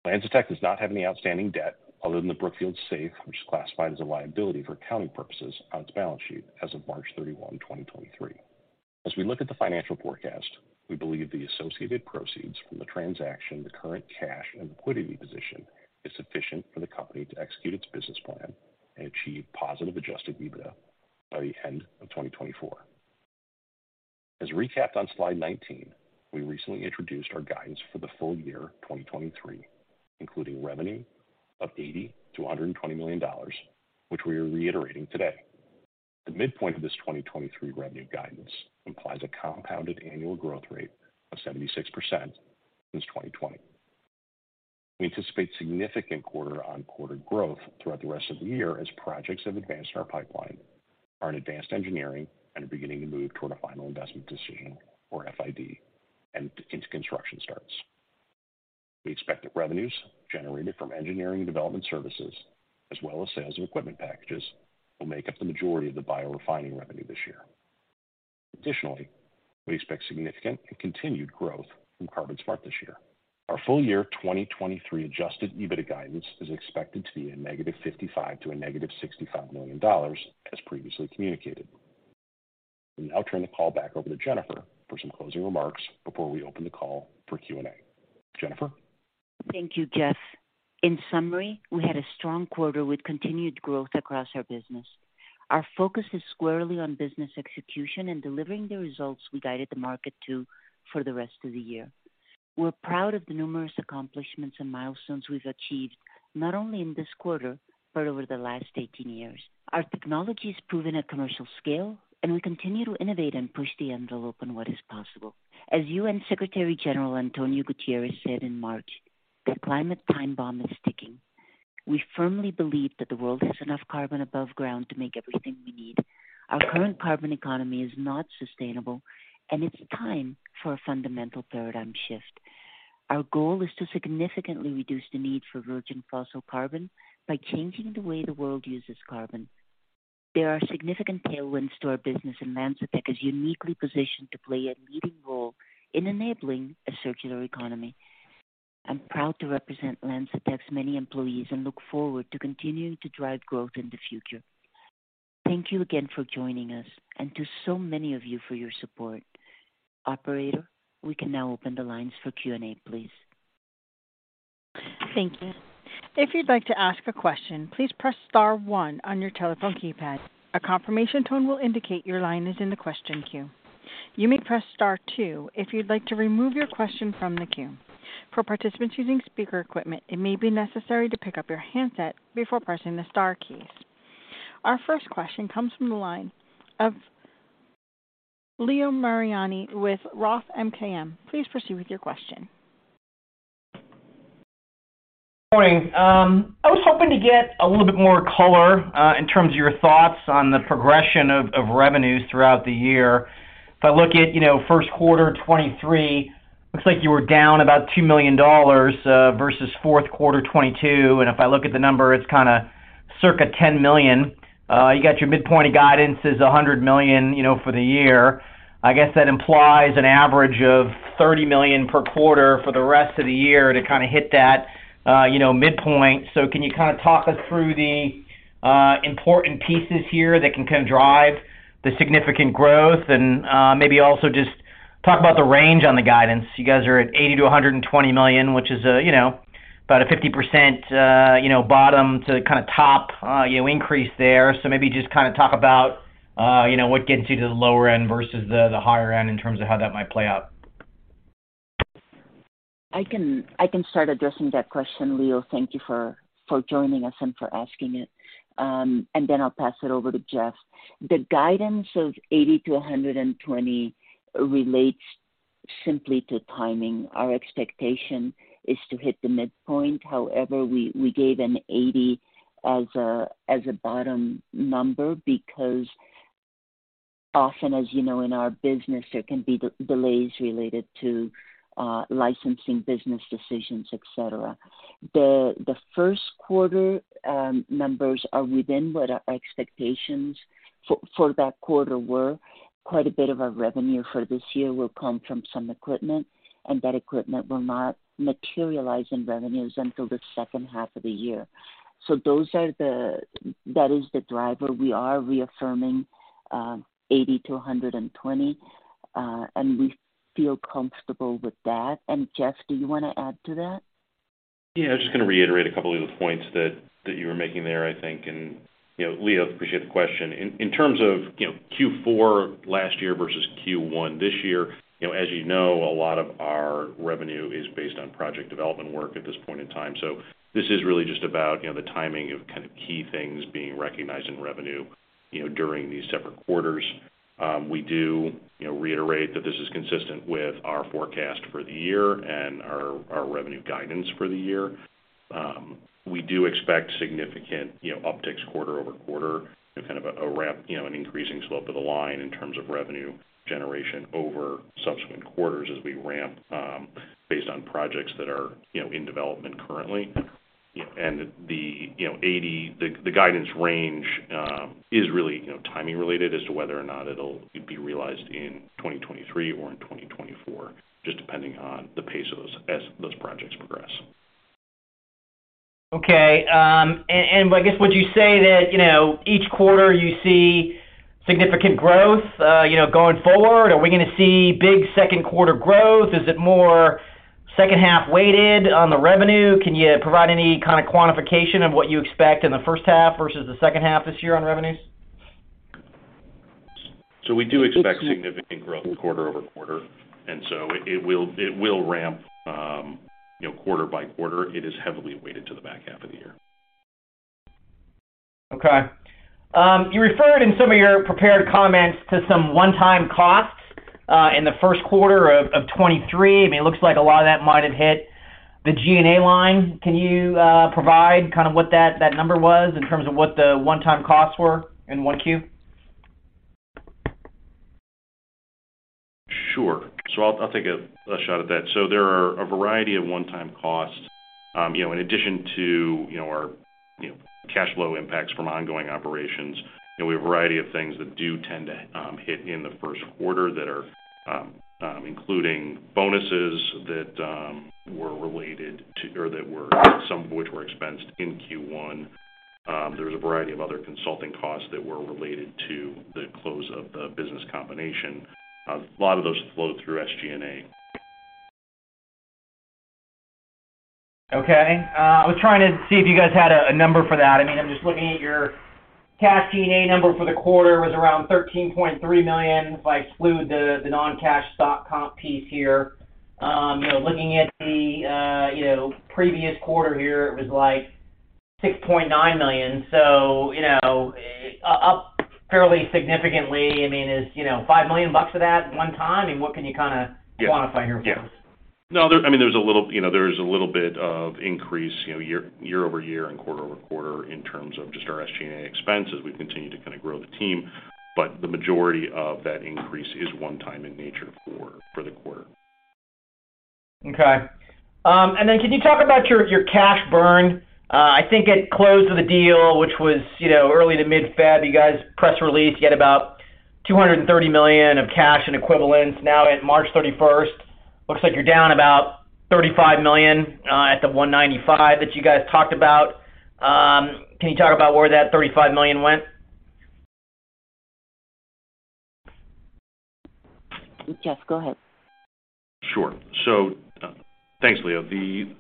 LanzaTech does not have any outstanding debt other than the Brookfield SAFE, which is classified as a liability for accounting purposes on its balance sheet as of March 31, 2023. As we look at the financial forecast, we believe the associated proceeds from the transaction, the current cash and liquidity position is sufficient for the company to execute its business plan and achieve positive adjusted EBITDA by the end of 2024. As recapped on slide 19, we recently introduced our guidance for the full year 2023, including revenue of $80 million-$120 million, which we are reiterating today. The midpoint of this 2023 revenue guidance implies a compounded annual growth rate of 76% since 2020. We anticipate significant quarter-on-quarter growth throughout the rest of the year as projects have advanced in our pipeline, are in advanced engineering and are beginning to move toward a final investment decision or FID and into construction starts. We expect that revenues generated from engineering and development services as well as sales of equipment packages will make up the majority of the biorefining revenue this year. Additionally, we expect significant and continued growth from CarbonSmart this year. Our full year 2023 adjusted EBITDA guidance is expected to be a negative $50 million to a negative $65 million, as previously communicated. I will now turn the call back over to Jennifer for some closing remarks before we open the call for Q&A. Jennifer? Thank you, Geoff. In summary, we had a strong quarter with continued growth across our business. Our focus is squarely on business execution and delivering the results we guided the market to for the rest of the year. We're proud of the numerous accomplishments and milestones we've achieved, not only in this quarter, but over the last 18 years. Our technology has proven at commercial scale, we continue to innovate and push the envelope on what is possible. As United Nations Secretary-General António Guterres said in March, "The climate time bomb is ticking." We firmly believe that the world has enough carbon above ground to make everything we need. Our current carbon economy is not sustainable, it's time for a fundamental paradigm shift. Our goal is to significantly reduce the need for virgin fossil carbon by changing the way the world uses carbon. There are significant tailwinds to our business. LanzaTech is uniquely positioned to play a leading role in enabling a circular economy. I'm proud to represent LanzaTech's many employees and look forward to continuing to drive growth in the future. Thank you again for joining us and to so many of you for your support. Operator, we can now open the lines for Q&A, please. Thank you. If you'd like to ask a question, please press star one on your telephone keypad. A confirmation tone will indicate your line is in the question queue. You may press star two if you'd like to remove your question from the queue. For participants using speaker equipment, it may be necessary to pick up your handset before pressing the star keys. Our first question comes from the line of Leo Mariani with Roth MKM. Please proceed with your question. Morning. I was hoping to get a little bit more color in terms of your thoughts on the progression of revenues throughout the year. If I look at, you know, first quarter 2023, looks like you were down about $2 million versus fourth quarter 2022. If I look at the number, it's kind of circa $10 million. You got your midpoint of guidance is $100 million, you know, for the year. I guess that implies an average of $30 million per quarter for the rest of the year to kind of hit that, you know, midpoint. Can you kind of talk us through the important pieces here that can kind of drive the significant growth? Maybe also just talk about the range on the guidance. You guys are at $80 million-$120 million, which is, you know, about a 50%, you know, bottom to kind of top, you know, increase there. Maybe just kind of talk about, you know, what gets you to the lower end versus the higher end in terms of how that might play out. I can start addressing that question, Leo. Thank you for joining us and for asking it. Then I'll pass it over to Geoff. The guidance of $80 million-$120 million relates simply to timing. Our expectation is to hit the midpoint. However, we gave an $80 million as a bottom number because often, as you know, in our business, there can be delays related to licensing business decisions, et cetera. The first quarter numbers are within what our expectations for that quarter were. Quite a bit of our revenue for this year will come from some equipment, and that equipment will not materialize in revenues until the second half of the year. That is the driver. We are reaffirming, $80 million-$120 million, and we feel comfortable with that. Geoff, do you wanna add to that? Yeah, I was just gonna reiterate a couple of the points that you were making there, I think. you know, Leo, appreciate the question. In terms of, you know, Q4 last year versus Q1 this year, you know, as you know, a lot of our revenue is based on project development work at this point in time. This is really just about, you know, the timing of kind of key things being recognized in revenue, you know, during these separate quarters. We do reiterate that this is consistent with our forecast for the year and our revenue guidance for the year. We do expect significant upticks quarter-over-quarter and kind of a ramp, an increasing slope of the line in terms of revenue generation over subsequent quarters as we ramp, based on projects that are in development currently. The guidance range is really timing related as to whether or not it'll be realized in 2023 or in 2024, just depending on the pace of those as those projects progress. Okay. I guess, would you say that, you know, each quarter you see significant growth, you know, going forward? Are we gonna see big second quarter growth? Is it more second half weighted on the revenue? Can you provide any kind of quantification of what you expect in the first half versus the second half this year on revenues? We do expect significant growth quarter-over-quarter, and so it will ramp, you know, quarter by quarter. It is heavily weighted to the back half of the year. Okay. You referred in some of your prepared comments to some one-time costs in the first quarter of 2023. I mean, it looks like a lot of that might have hit the SG&A line. Can you provide kind of what that number was in terms of what the one-time costs were in 1Q? Sure. I'll take a shot at that. There are a variety of one-time costs, you know, in addition to, you know, our, you know, cash flow impacts from ongoing operations. You know, we have a variety of things that do tend to hit in the first quarter that are including bonuses that were related to or that were some of which were expensed in Q1. There was a variety of other consulting costs that were related to the close of the business combination. A lot of those flowed through SG&A. Okay. I was trying to see if you guys had a number for that. I mean, I'm just looking at your cash G&A number for the quarter was around $13.3 million if I exclude the non-cash stock comp piece here. You know, looking at the previous quarter here, it was like $6.9 million. You know, up fairly significantly. I mean, is, you know, $5 million bucks of that one-time? I mean, what can you kinda- Yeah. quantify here for us? Yeah. No, I mean, you know, there's a little bit of increase, you know, year-over-year and quarter-over-quarter in terms of just our SG&A expense as we continue to kind of grow the team. The majority of that increase is one time in nature for the quarter. Okay. Can you talk about your cash burn? I think at close of the deal, which was, you know, early to mid-February, you guys press released you had about $230 million of cash and equivalents. Now at March 31st, looks like you're down about $35 million, at the $195 million that you guys talked about. Can you talk about where that $35 million went? Yes, go ahead. Sure. Thanks, Leo. The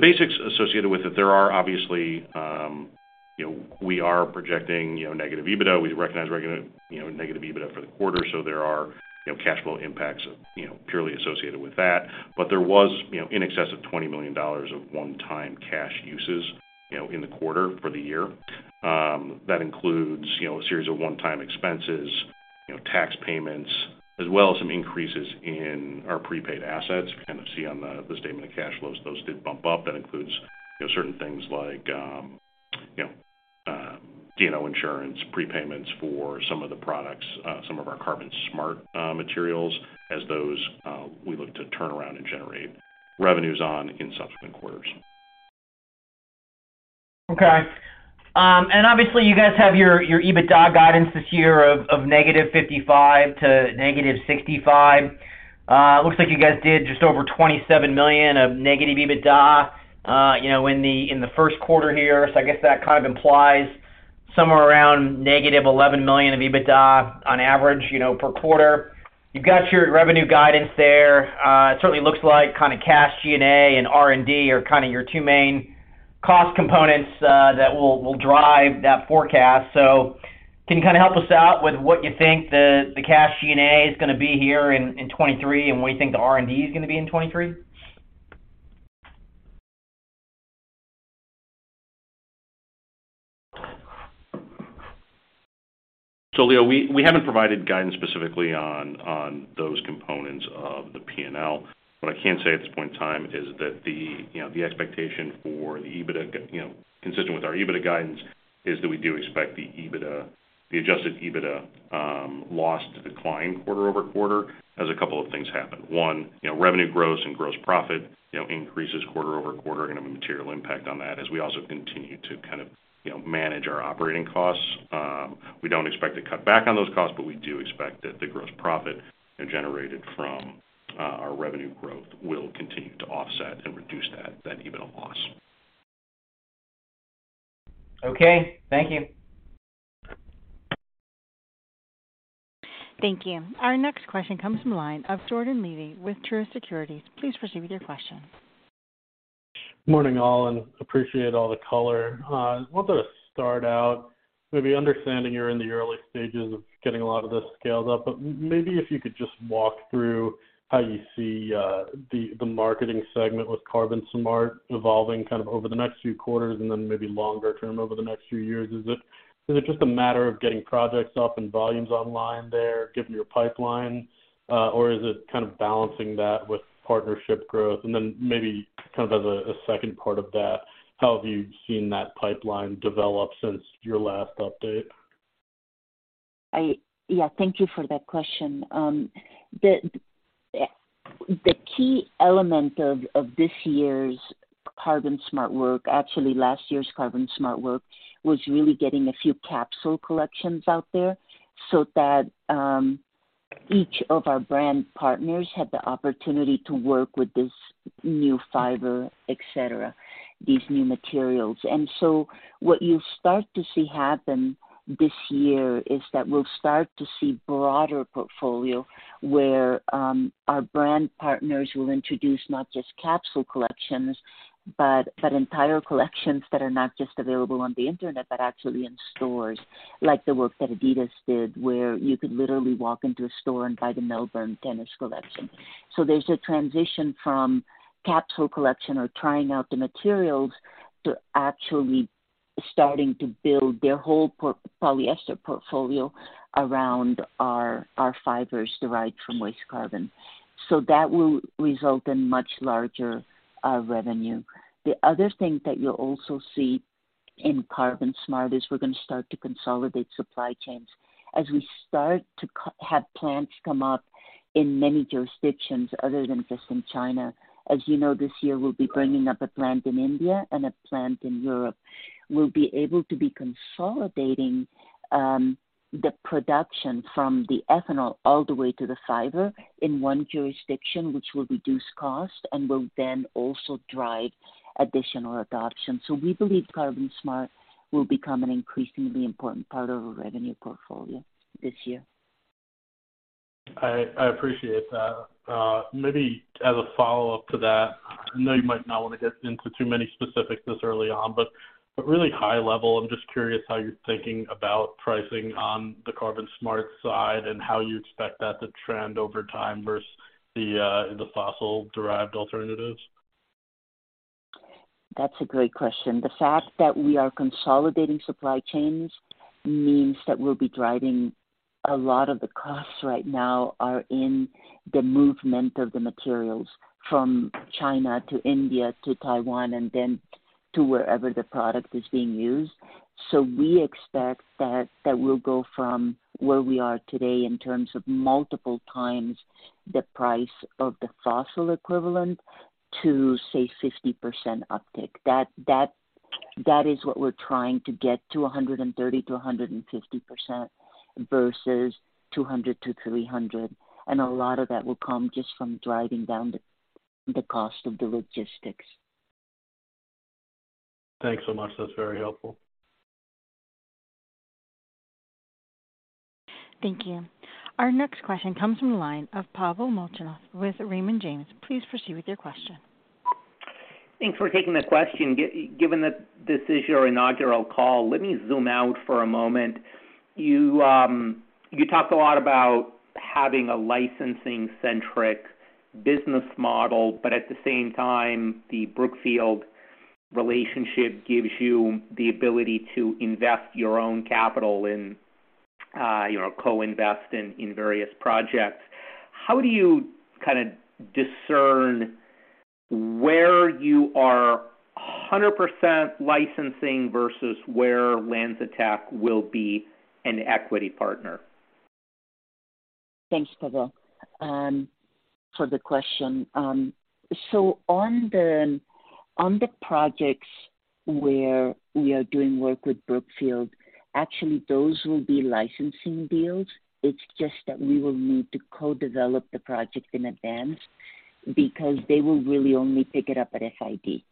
basics associated with it, there are obviously, you know, we are projecting, you know, negative EBITDA. We recognize regular, you know, negative EBITDA for the quarter. There are, you know, cash flow impacts, you know, purely associated with that. There was, you know, in excess of $20 million of one-time cash uses, you know, in the quarter for the year. That includes, you know, a series of one-time expenses, you know, tax payments, as well as some increases in our prepaid assets. We kind of see on the statement of cash flows, those did bump up. That includes, you know, certain things like, you know, D&O insurance, prepayments for some of the products, some of our CarbonSmart materials as those we look to turn around and generate revenues on in subsequent quarters. Okay. Obviously you guys have your EBITDA guidance this year of -$55 million to -$65 million. Looks like you guys did just over $27 million of negative EBITDA, in the first quarter here. I guess that kind of implies somewhere around -$11 million of EBITDA on average, per quarter. You've got your revenue guidance there. It certainly looks like kinda cash G&A and R&D are kinda your two main cost components, that will drive that forecast. Can you kinda help us out with what you think the cash G&A is gonna be here in 2023 and what you think the R&D is gonna be in 2023? Leo, we haven't provided guidance specifically on those components of the P&L. What I can say at this point in time is that the, you know, the expectation for the EBITDA, you know, consistent with our EBITDA guidance, is that we do expect the EBITDA, the adjusted EBITDA, loss to decline quarter-over-quarter as a couple of things happen. One, you know, revenue gross and gross profit, you know, increases quarter-over-quarter are gonna have a material impact on that as we also continue to kind of, you know, manage our operating costs. We don't expect to cut back on those costs, but we do expect that the gross profit, you know, generated from our revenue growth will continue to offset and reduce that EBITDA loss. Okay. Thank you. Thank you. Our next question comes from the line of Jordan Levy with Truist Securities. Please proceed with your question. Morning all, appreciate all the color. I wanted to start out maybe understanding you're in the early stages of getting a lot of this scaled up, maybe if you could just walk through how you see the marketing segment with Carbon Smart evolving kind of over the next few quarters then maybe longer term over the next few years. Is it just a matter of getting projects up and volumes online there given your pipeline? Or is it kind of balancing that with partnership growth? Then maybe kind of as a second part of that, how have you seen that pipeline develop since your last update? Yeah, thank you for that question. The key element of this year's CarbonSmart work, actually last year's CarbonSmart work, was really getting a few capsule collections out there so that each of our brand partners had the opportunity to work with this new fiber, et cetera, these new materials. What you'll start to see happen this year is that we'll start to see broader portfolio where our brand partners will introduce not just capsule collections, but entire collections that are not just available on the internet, but actually in stores. Like the work that Adidas did, where you could literally walk into a store and buy the Melbourne Tennis Collection. There's a transition from capsule collection or trying out the materials to actually starting to build their whole polyester portfolio around our fibers derived from waste carbon. That will result in much larger revenue. The other thing that you'll also see in CarbonSmart is we're gonna start to consolidate supply chains. As we start to have plants come up in many jurisdictions other than just in China. As you know, this year we'll be bringing up a plant in India and a plant in Europe. We'll be able to be consolidating the production from the ethanol all the way to the fiber in one jurisdiction, which will reduce cost and will then also drive additional adoption. We believe CarbonSmart will become an increasingly important part of our revenue portfolio this year. I appreciate that. Maybe as a follow-up to that, I know you might not wanna get into too many specifics this early on, but really high level, I'm just curious how you're thinking about pricing on the CarbonSmart side and how you expect that to trend over time versus the fossil derived alternatives. That's a great question. The fact that we are consolidating supply chains means that we'll be driving a lot of the costs right now are in the movement of the materials from China to India to Taiwan, then to wherever the product is being used. We expect that we'll go from where we are today in terms of multiple times the price of the fossil equivalent to, say, 50% uptick. That is what we're trying to get to 130%-150% versus 200%-300%, a lot of that will come just from driving down the cost of the logistics. Thanks so much. That's very helpful. Thank you. Our next question comes from the line of Pavel Molchanov with Raymond James. Please proceed with your question. Thanks for taking the question. Given that this is your inaugural call, let me zoom out for a moment. You talked a lot about having a licensing-centric business model, but at the same time, the Brookfield relationship gives you the ability to invest your own capital and, you know, co-invest in various projects. How do you kinda discern where you are 100% licensing versus where LanzaTech will be an equity partner? Thanks, Pavel, for the question. On the projects where we are doing work with Brookfield, actually those will be licensing deals. It's just that we will need to co-develop the project in advance because they will really only pick it up at FID.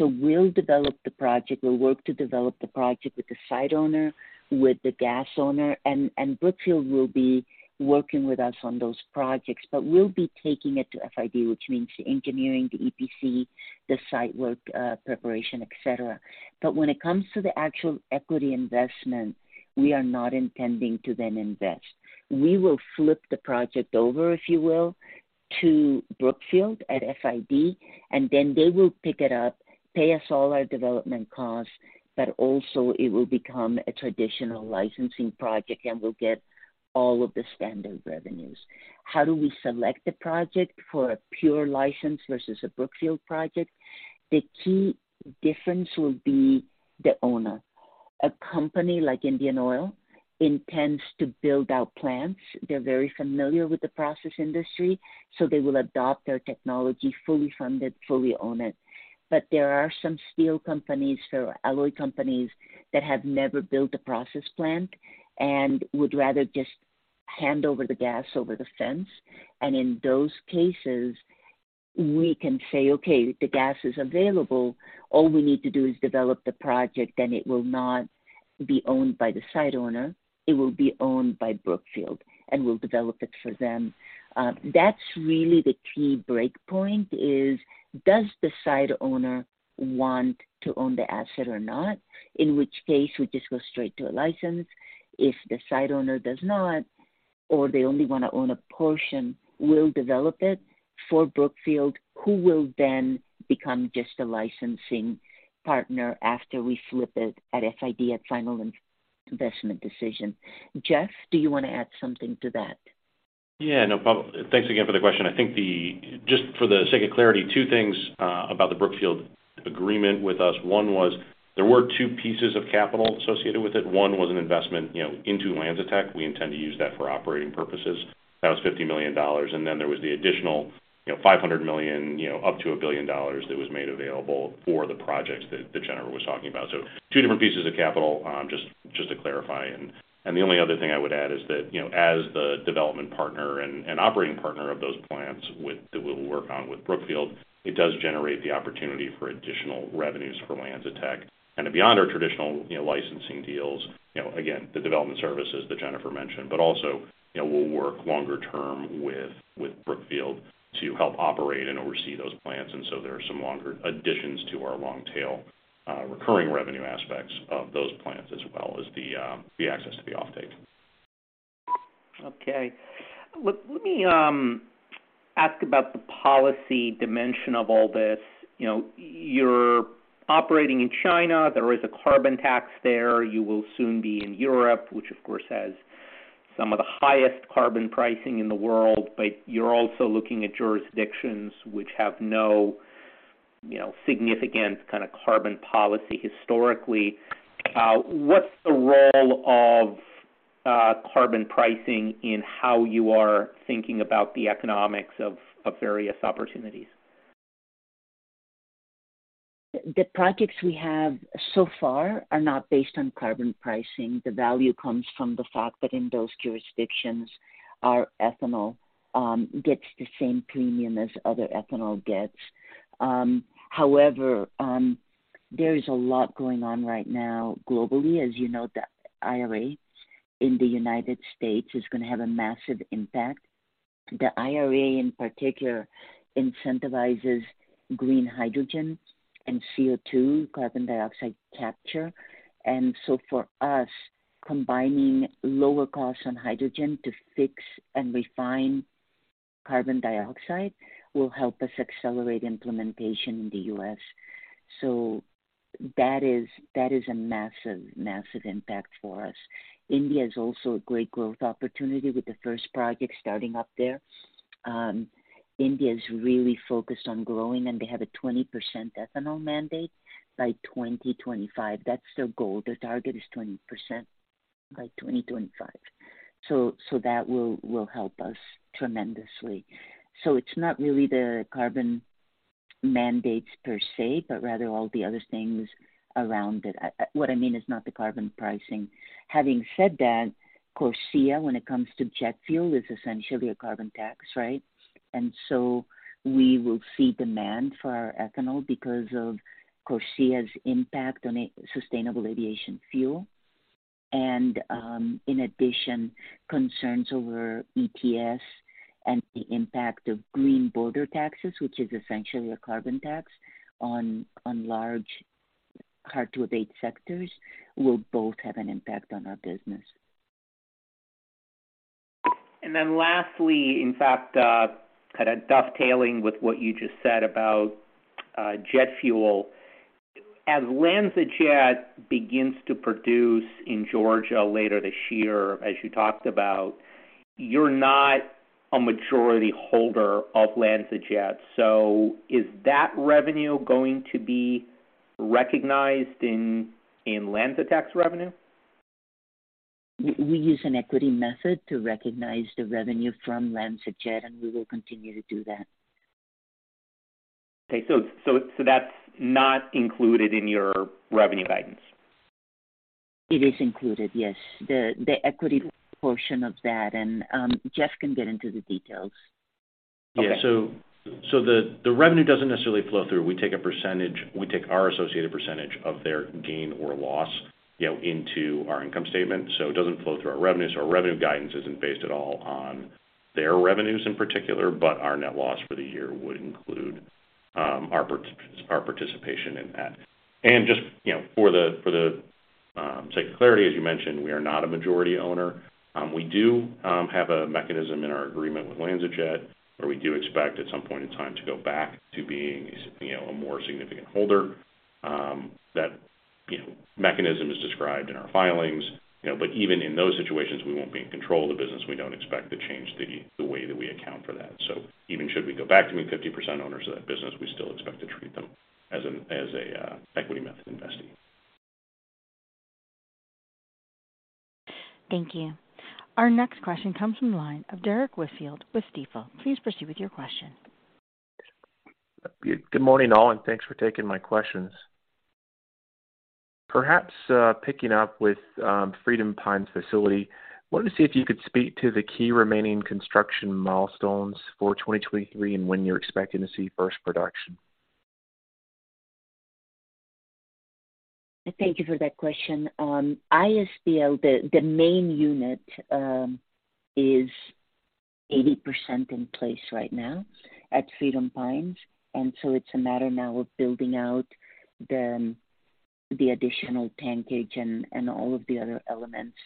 We'll develop the project. We'll work to develop the project with the site owner, with the gas owner, and Brookfield will be working with us on those projects. We'll be taking it to FID, which means the engineering, the EPC, the site work, preparation, et cetera. When it comes to the actual equity investment, we are not intending to then invest. We will flip the project over, if you will, to Brookfield at FID. They will pick it up, pay us all our development costs. It will become a traditional licensing project, and we'll get all of the standard revenues. How do we select the project for a pure license versus a Brookfield project? The key difference will be the owner. A company like Indian Oil intends to build out plants. They're very familiar with the process industry. They will adopt our technology, fully fund it, fully own it. There are some steel companies or alloy companies that have never built a process plant and would rather just hand over the gas over the fence. In those cases, we can say, "Okay, the gas is available. All we need to do is develop the project, and it will not...Be owned by the site owner. It will be owned by Brookfield, and we'll develop it for them. That's really the key breakpoint is, does the site owner want to own the asset or not? In which case, we just go straight to a license. If the site owner does not, or they only wanna own a portion, we'll develop it for Brookfield, who will then become just a licensing partner after we flip it at FID, at final investment decision. Geoff, do you wanna add something to that? Thanks again for the question. Just for the sake of clarity, two things about the Brookfield agreement with us. One was there were two pieces of capital associated with it. One was an investment, you know, into LanzaTech. We intend to use that for operating purposes. That was $50 million. Then there was the additional, you know, $500 million, you know, up to $1 billion that was made available for the projects that Jennifer was talking about. Two different pieces of capital, just to clarify. The only other thing I would add is that, you know, as the development partner and operating partner of those plants that we will work on with Brookfield, it does generate the opportunity for additional revenues for LanzaTech. Beyond our traditional, you know, licensing deals, you know, again, the development services that Jennifer mentioned, but also, you know, we'll work longer term with Brookfield to help operate and oversee those plants. There are some longer additions to our long tail, recurring revenue aspects of those plants, as well as the access to the offtake. Okay. Let me ask about the policy dimension of all this. You know, you're operating in China. There is a carbon tax there. You will soon be in Europe, which of course has some of the highest carbon pricing in the world, but you're also looking at jurisdictions which have no, you know, significant kind of carbon policy historically. What's the role of carbon pricing in how you are thinking about the economics of various opportunities? The projects we have so far are not based on carbon pricing. The value comes from the fact that in those jurisdictions, our ethanol gets the same premium as other ethanol gets. However, there is a lot going on right now globally. As you know, the IRA in the United States is gonna have a massive impact. The IRA, in particular, incentivizes green hydrogen and CO₂ carbon dioxide capture. For us, combining lower costs on hydrogen to fix and refine carbon dioxide will help us accelerate implementation in the U.S. That is a massive impact for us. India is also a great growth opportunity with the first project starting up there. India is really focused on growing, and they have a 20% ethanol mandate by 2025. That's their goal. Their target is 20% by 2025. That will help us tremendously. It's not really the carbon mandates per se, but rather all the other things around it. What I mean is not the carbon pricing. Having said that, CORSIA, when it comes to jet fuel, is essentially a carbon tax, right? We will see demand for our ethanol because of CORSIA's impact on a sustainable aviation fuel. In addition, concerns over ETS and the impact of green border taxes, which is essentially a carbon tax on large, hard-to-abate sectors, will both have an impact on our business. Lastly, in fact, kinda dovetailing with what you just said about jet fuel. As LanzaJet begins to produce in Georgia later this year, as you talked about, you're not a majority holder of LanzaJet. Is that revenue going to be recognized in LanzaTech's revenue? We use an equity method to recognize the revenue from LanzaJet, and we will continue to do that. Okay. That's not included in your revenue guidance? It is included, yes. The equity portion of that, Geoff can get into the details. Yeah. The revenue doesn't necessarily flow through. We take our associated percentage of their gain or loss, you know, into our income statement. It doesn't flow through our revenues. Our revenue guidance isn't based at all on their revenues in particular, but our net loss for the year would include our participation in that. Just, you know, for the sake of clarity, as you mentioned, we are not a majority owner. We do have a mechanism in our agreement with LanzaJet, where we do expect at some point in time to go back to being, you know, a more significant holder. That, you know, mechanism is described in our filings. Even in those situations, we won't be in control of the business. We don't expect to change the way that we account for that. Even should we go back to being 50% owners of that business, we still expect to treat them as a equity method investing. Thank you. Our next question comes from the line of Derrick Whitfield with Stifel. Please proceed with your question. Good morning, all, and thanks for taking my questions. Perhaps picking up with Freedom Pines facility, wanted to see if you could speak to the key remaining construction milestones for 2023 and when you're expecting to see first production. Thank you for that question. ISBL, the main unit, is 80% in place right now at Freedom Pines. It's a matter now of building out the additional tankage and all of the other elements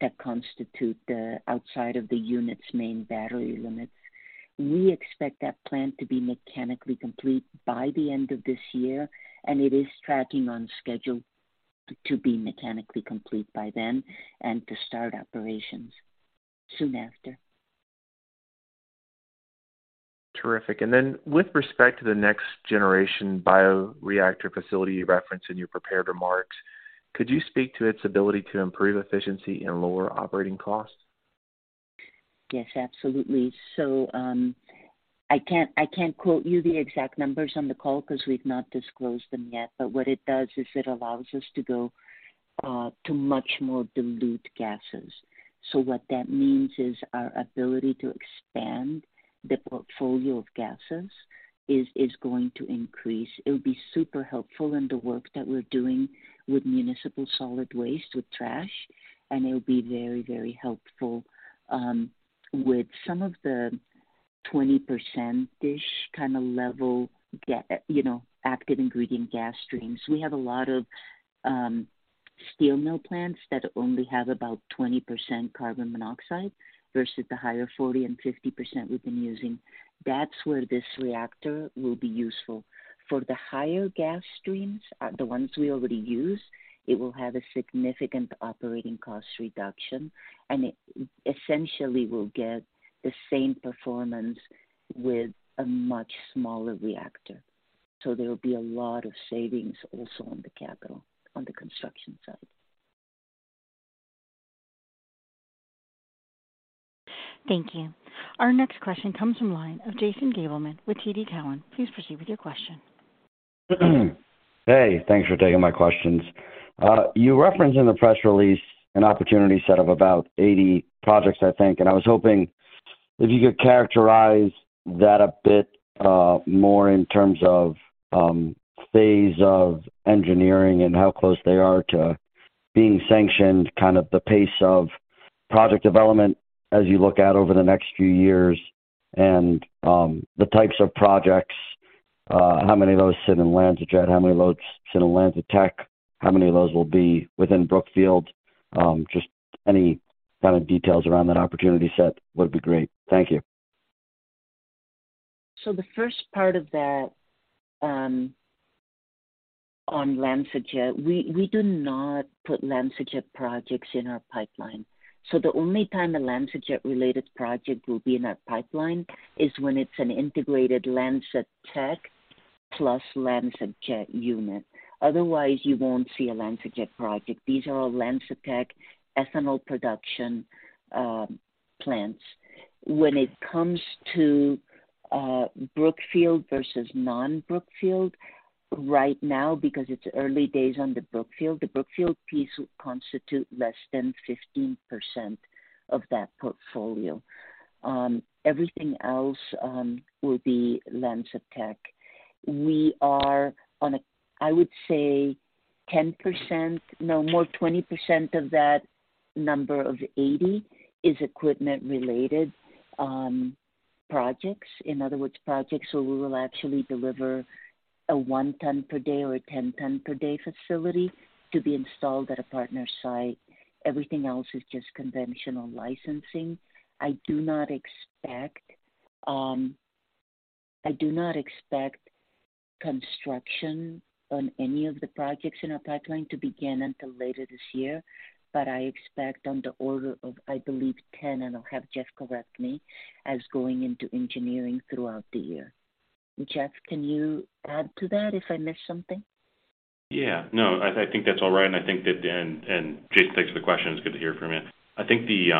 that constitute the outside of the unit's main battery limits. We expect that plant to be mechanically complete by the end of this year, and it is tracking on schedule to be mechanically complete by then and to start operations soon after. Terrific. Then with respect to the next generation bioreactor facility you referenced in your prepared remarks, could you speak to its ability to improve efficiency and lower operating costs? Yes, absolutely. I can't quote you the exact numbers on the call 'cause we've not disclosed them yet. What it does is it allows us to go to much more dilute gases. What that means is our ability to expand the portfolio of gases is going to increase. It'll be super helpful in the work that we're doing with municipal solid waste, with trash. It'll be very, very helpful with some of the 20%-ish kinda level, you know, active ingredient gas streams. We have a lot of steel mill plants that only have about 20% carbon monoxide versus the higher 40% and 50% we've been using. That's where this reactor will be useful. For the higher gas streams, the ones we already use, it will have a significant operating cost reduction, and it essentially will get the same performance with a much smaller reactor. There will be a lot of savings also on the capital, on the construction side. Thank you. Our next question comes from line of Jason Gabelman with TD Cowen. Please proceed with your question. Hey, thanks for taking my questions. You referenced in the press release an opportunity set of about 80 projects, I think. I was hoping if you could characterize that a bit more in terms of phase of engineering and how close they are to being sanctioned, kind of the pace of project development as you look out over the next few years and the types of projects, how many of those sit in LanzaJet, how many of those sit in LanzaTech, how many of those will be within Brookfield. Just any kind of details around that opportunity set would be great. Thank you. The first part of that, on LanzaJet, we do not put LanzaJet projects in our pipeline. The only time a LanzaJet related project will be in our pipeline is when it's an integrated LanzaTech plus LanzaJet unit. Otherwise, you won't see a LanzaJet project. These are all LanzaTech ethanol production plants. When it comes to Brookfield versus non-Brookfield, right now, because it's early days on the Brookfield, the Brookfield piece would constitute less than 15% of that portfolio. Everything else will be LanzaTech. We are on a, I would say 10%, no more 20% of that number of 80 is equipment related projects. In other words, projects where we will actually deliver a 1 ton per day or a 10 ton per day facility to be installed at a partner site. Everything else is just conventional licensing. I do not expect construction on any of the projects in our pipeline to begin until later this year. I expect on the order of, I believe, 10, and I'll have Geoff correct me, as going into engineering throughout the year. Geoff, can you add to that if I missed something? Yeah. No, I think that's all right. I think that, and Jason, thanks for the question. It's good to hear from you. I think the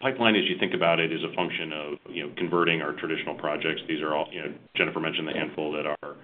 pipeline, as you think about it, is a function of, you know, converting our traditional projects. These are all, you know, Jennifer mentioned the handful that are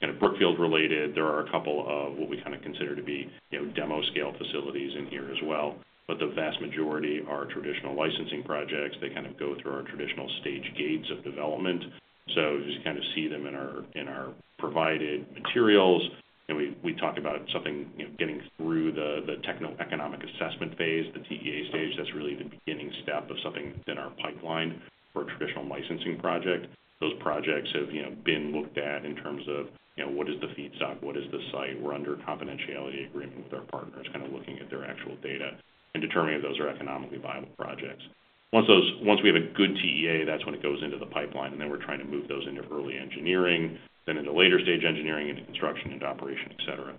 kind of Brookfield related. There are a couple of what we kind of consider to be, you know, demo-scale facilities in here as well, the vast majority are traditional licensing projects. They kind of go through our traditional stage gates of development. As you kind of see them in our, in our provided materials, and we talk about something, you know, getting through the techno-economic assessment phase, the TEA stage. That's really the beginning step of something within our pipeline for a traditional licensing project. Those projects have, you know, been looked at in terms of, you know, what is the feedstock? What is the site? We're under a confidentiality agreement with our partners, kind of looking at their actual data and determining if those are economically viable projects. Once we have a good TEA, that's when it goes into the pipeline, and then we're trying to move those into early engineering, then into later stage engineering, into construction, into operation, et cetera.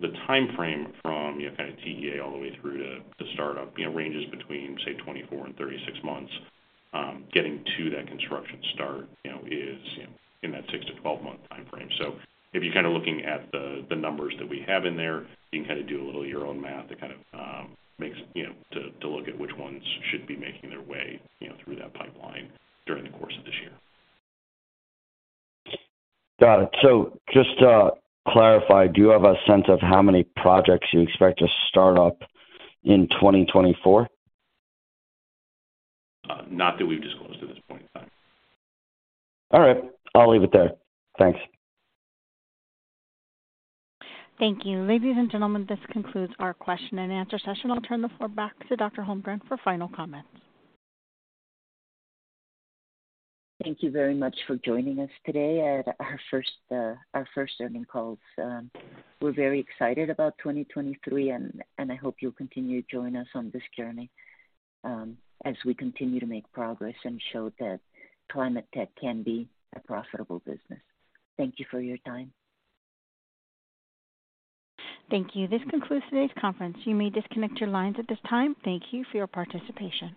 The timeframe from, you know, kind of TEA all the way through to start up, you know, ranges between, say, 24 and 36 months. Getting to that construction start, you know, is, you know, in that 6-12 month timeframe. If you're kind of looking at the numbers that we have in there, you can kinda do a little of your own math. It kind of makes, you know, to look at which ones should be making their way, you know, through that pipeline during the course of this year. Got it. Just to clarify, do you have a sense of how many projects you expect to start up in 2024? Not that we've disclosed at this point in time. All right. I'll leave it there. Thanks. Thank you. Ladies and gentlemen, this concludes our question-and-answer session. I'll turn the floor back to Dr. Holmgren for final comments. Thank you very much for joining us today at our first, our first earnings call. We're very excited about 2023, and I hope you'll continue to join us on this journey as we continue to make progress and show that climate tech can be a profitable business. Thank you for your time. Thank you. This concludes today's conference. You may disconnect your lines at this time. Thank you for your participation.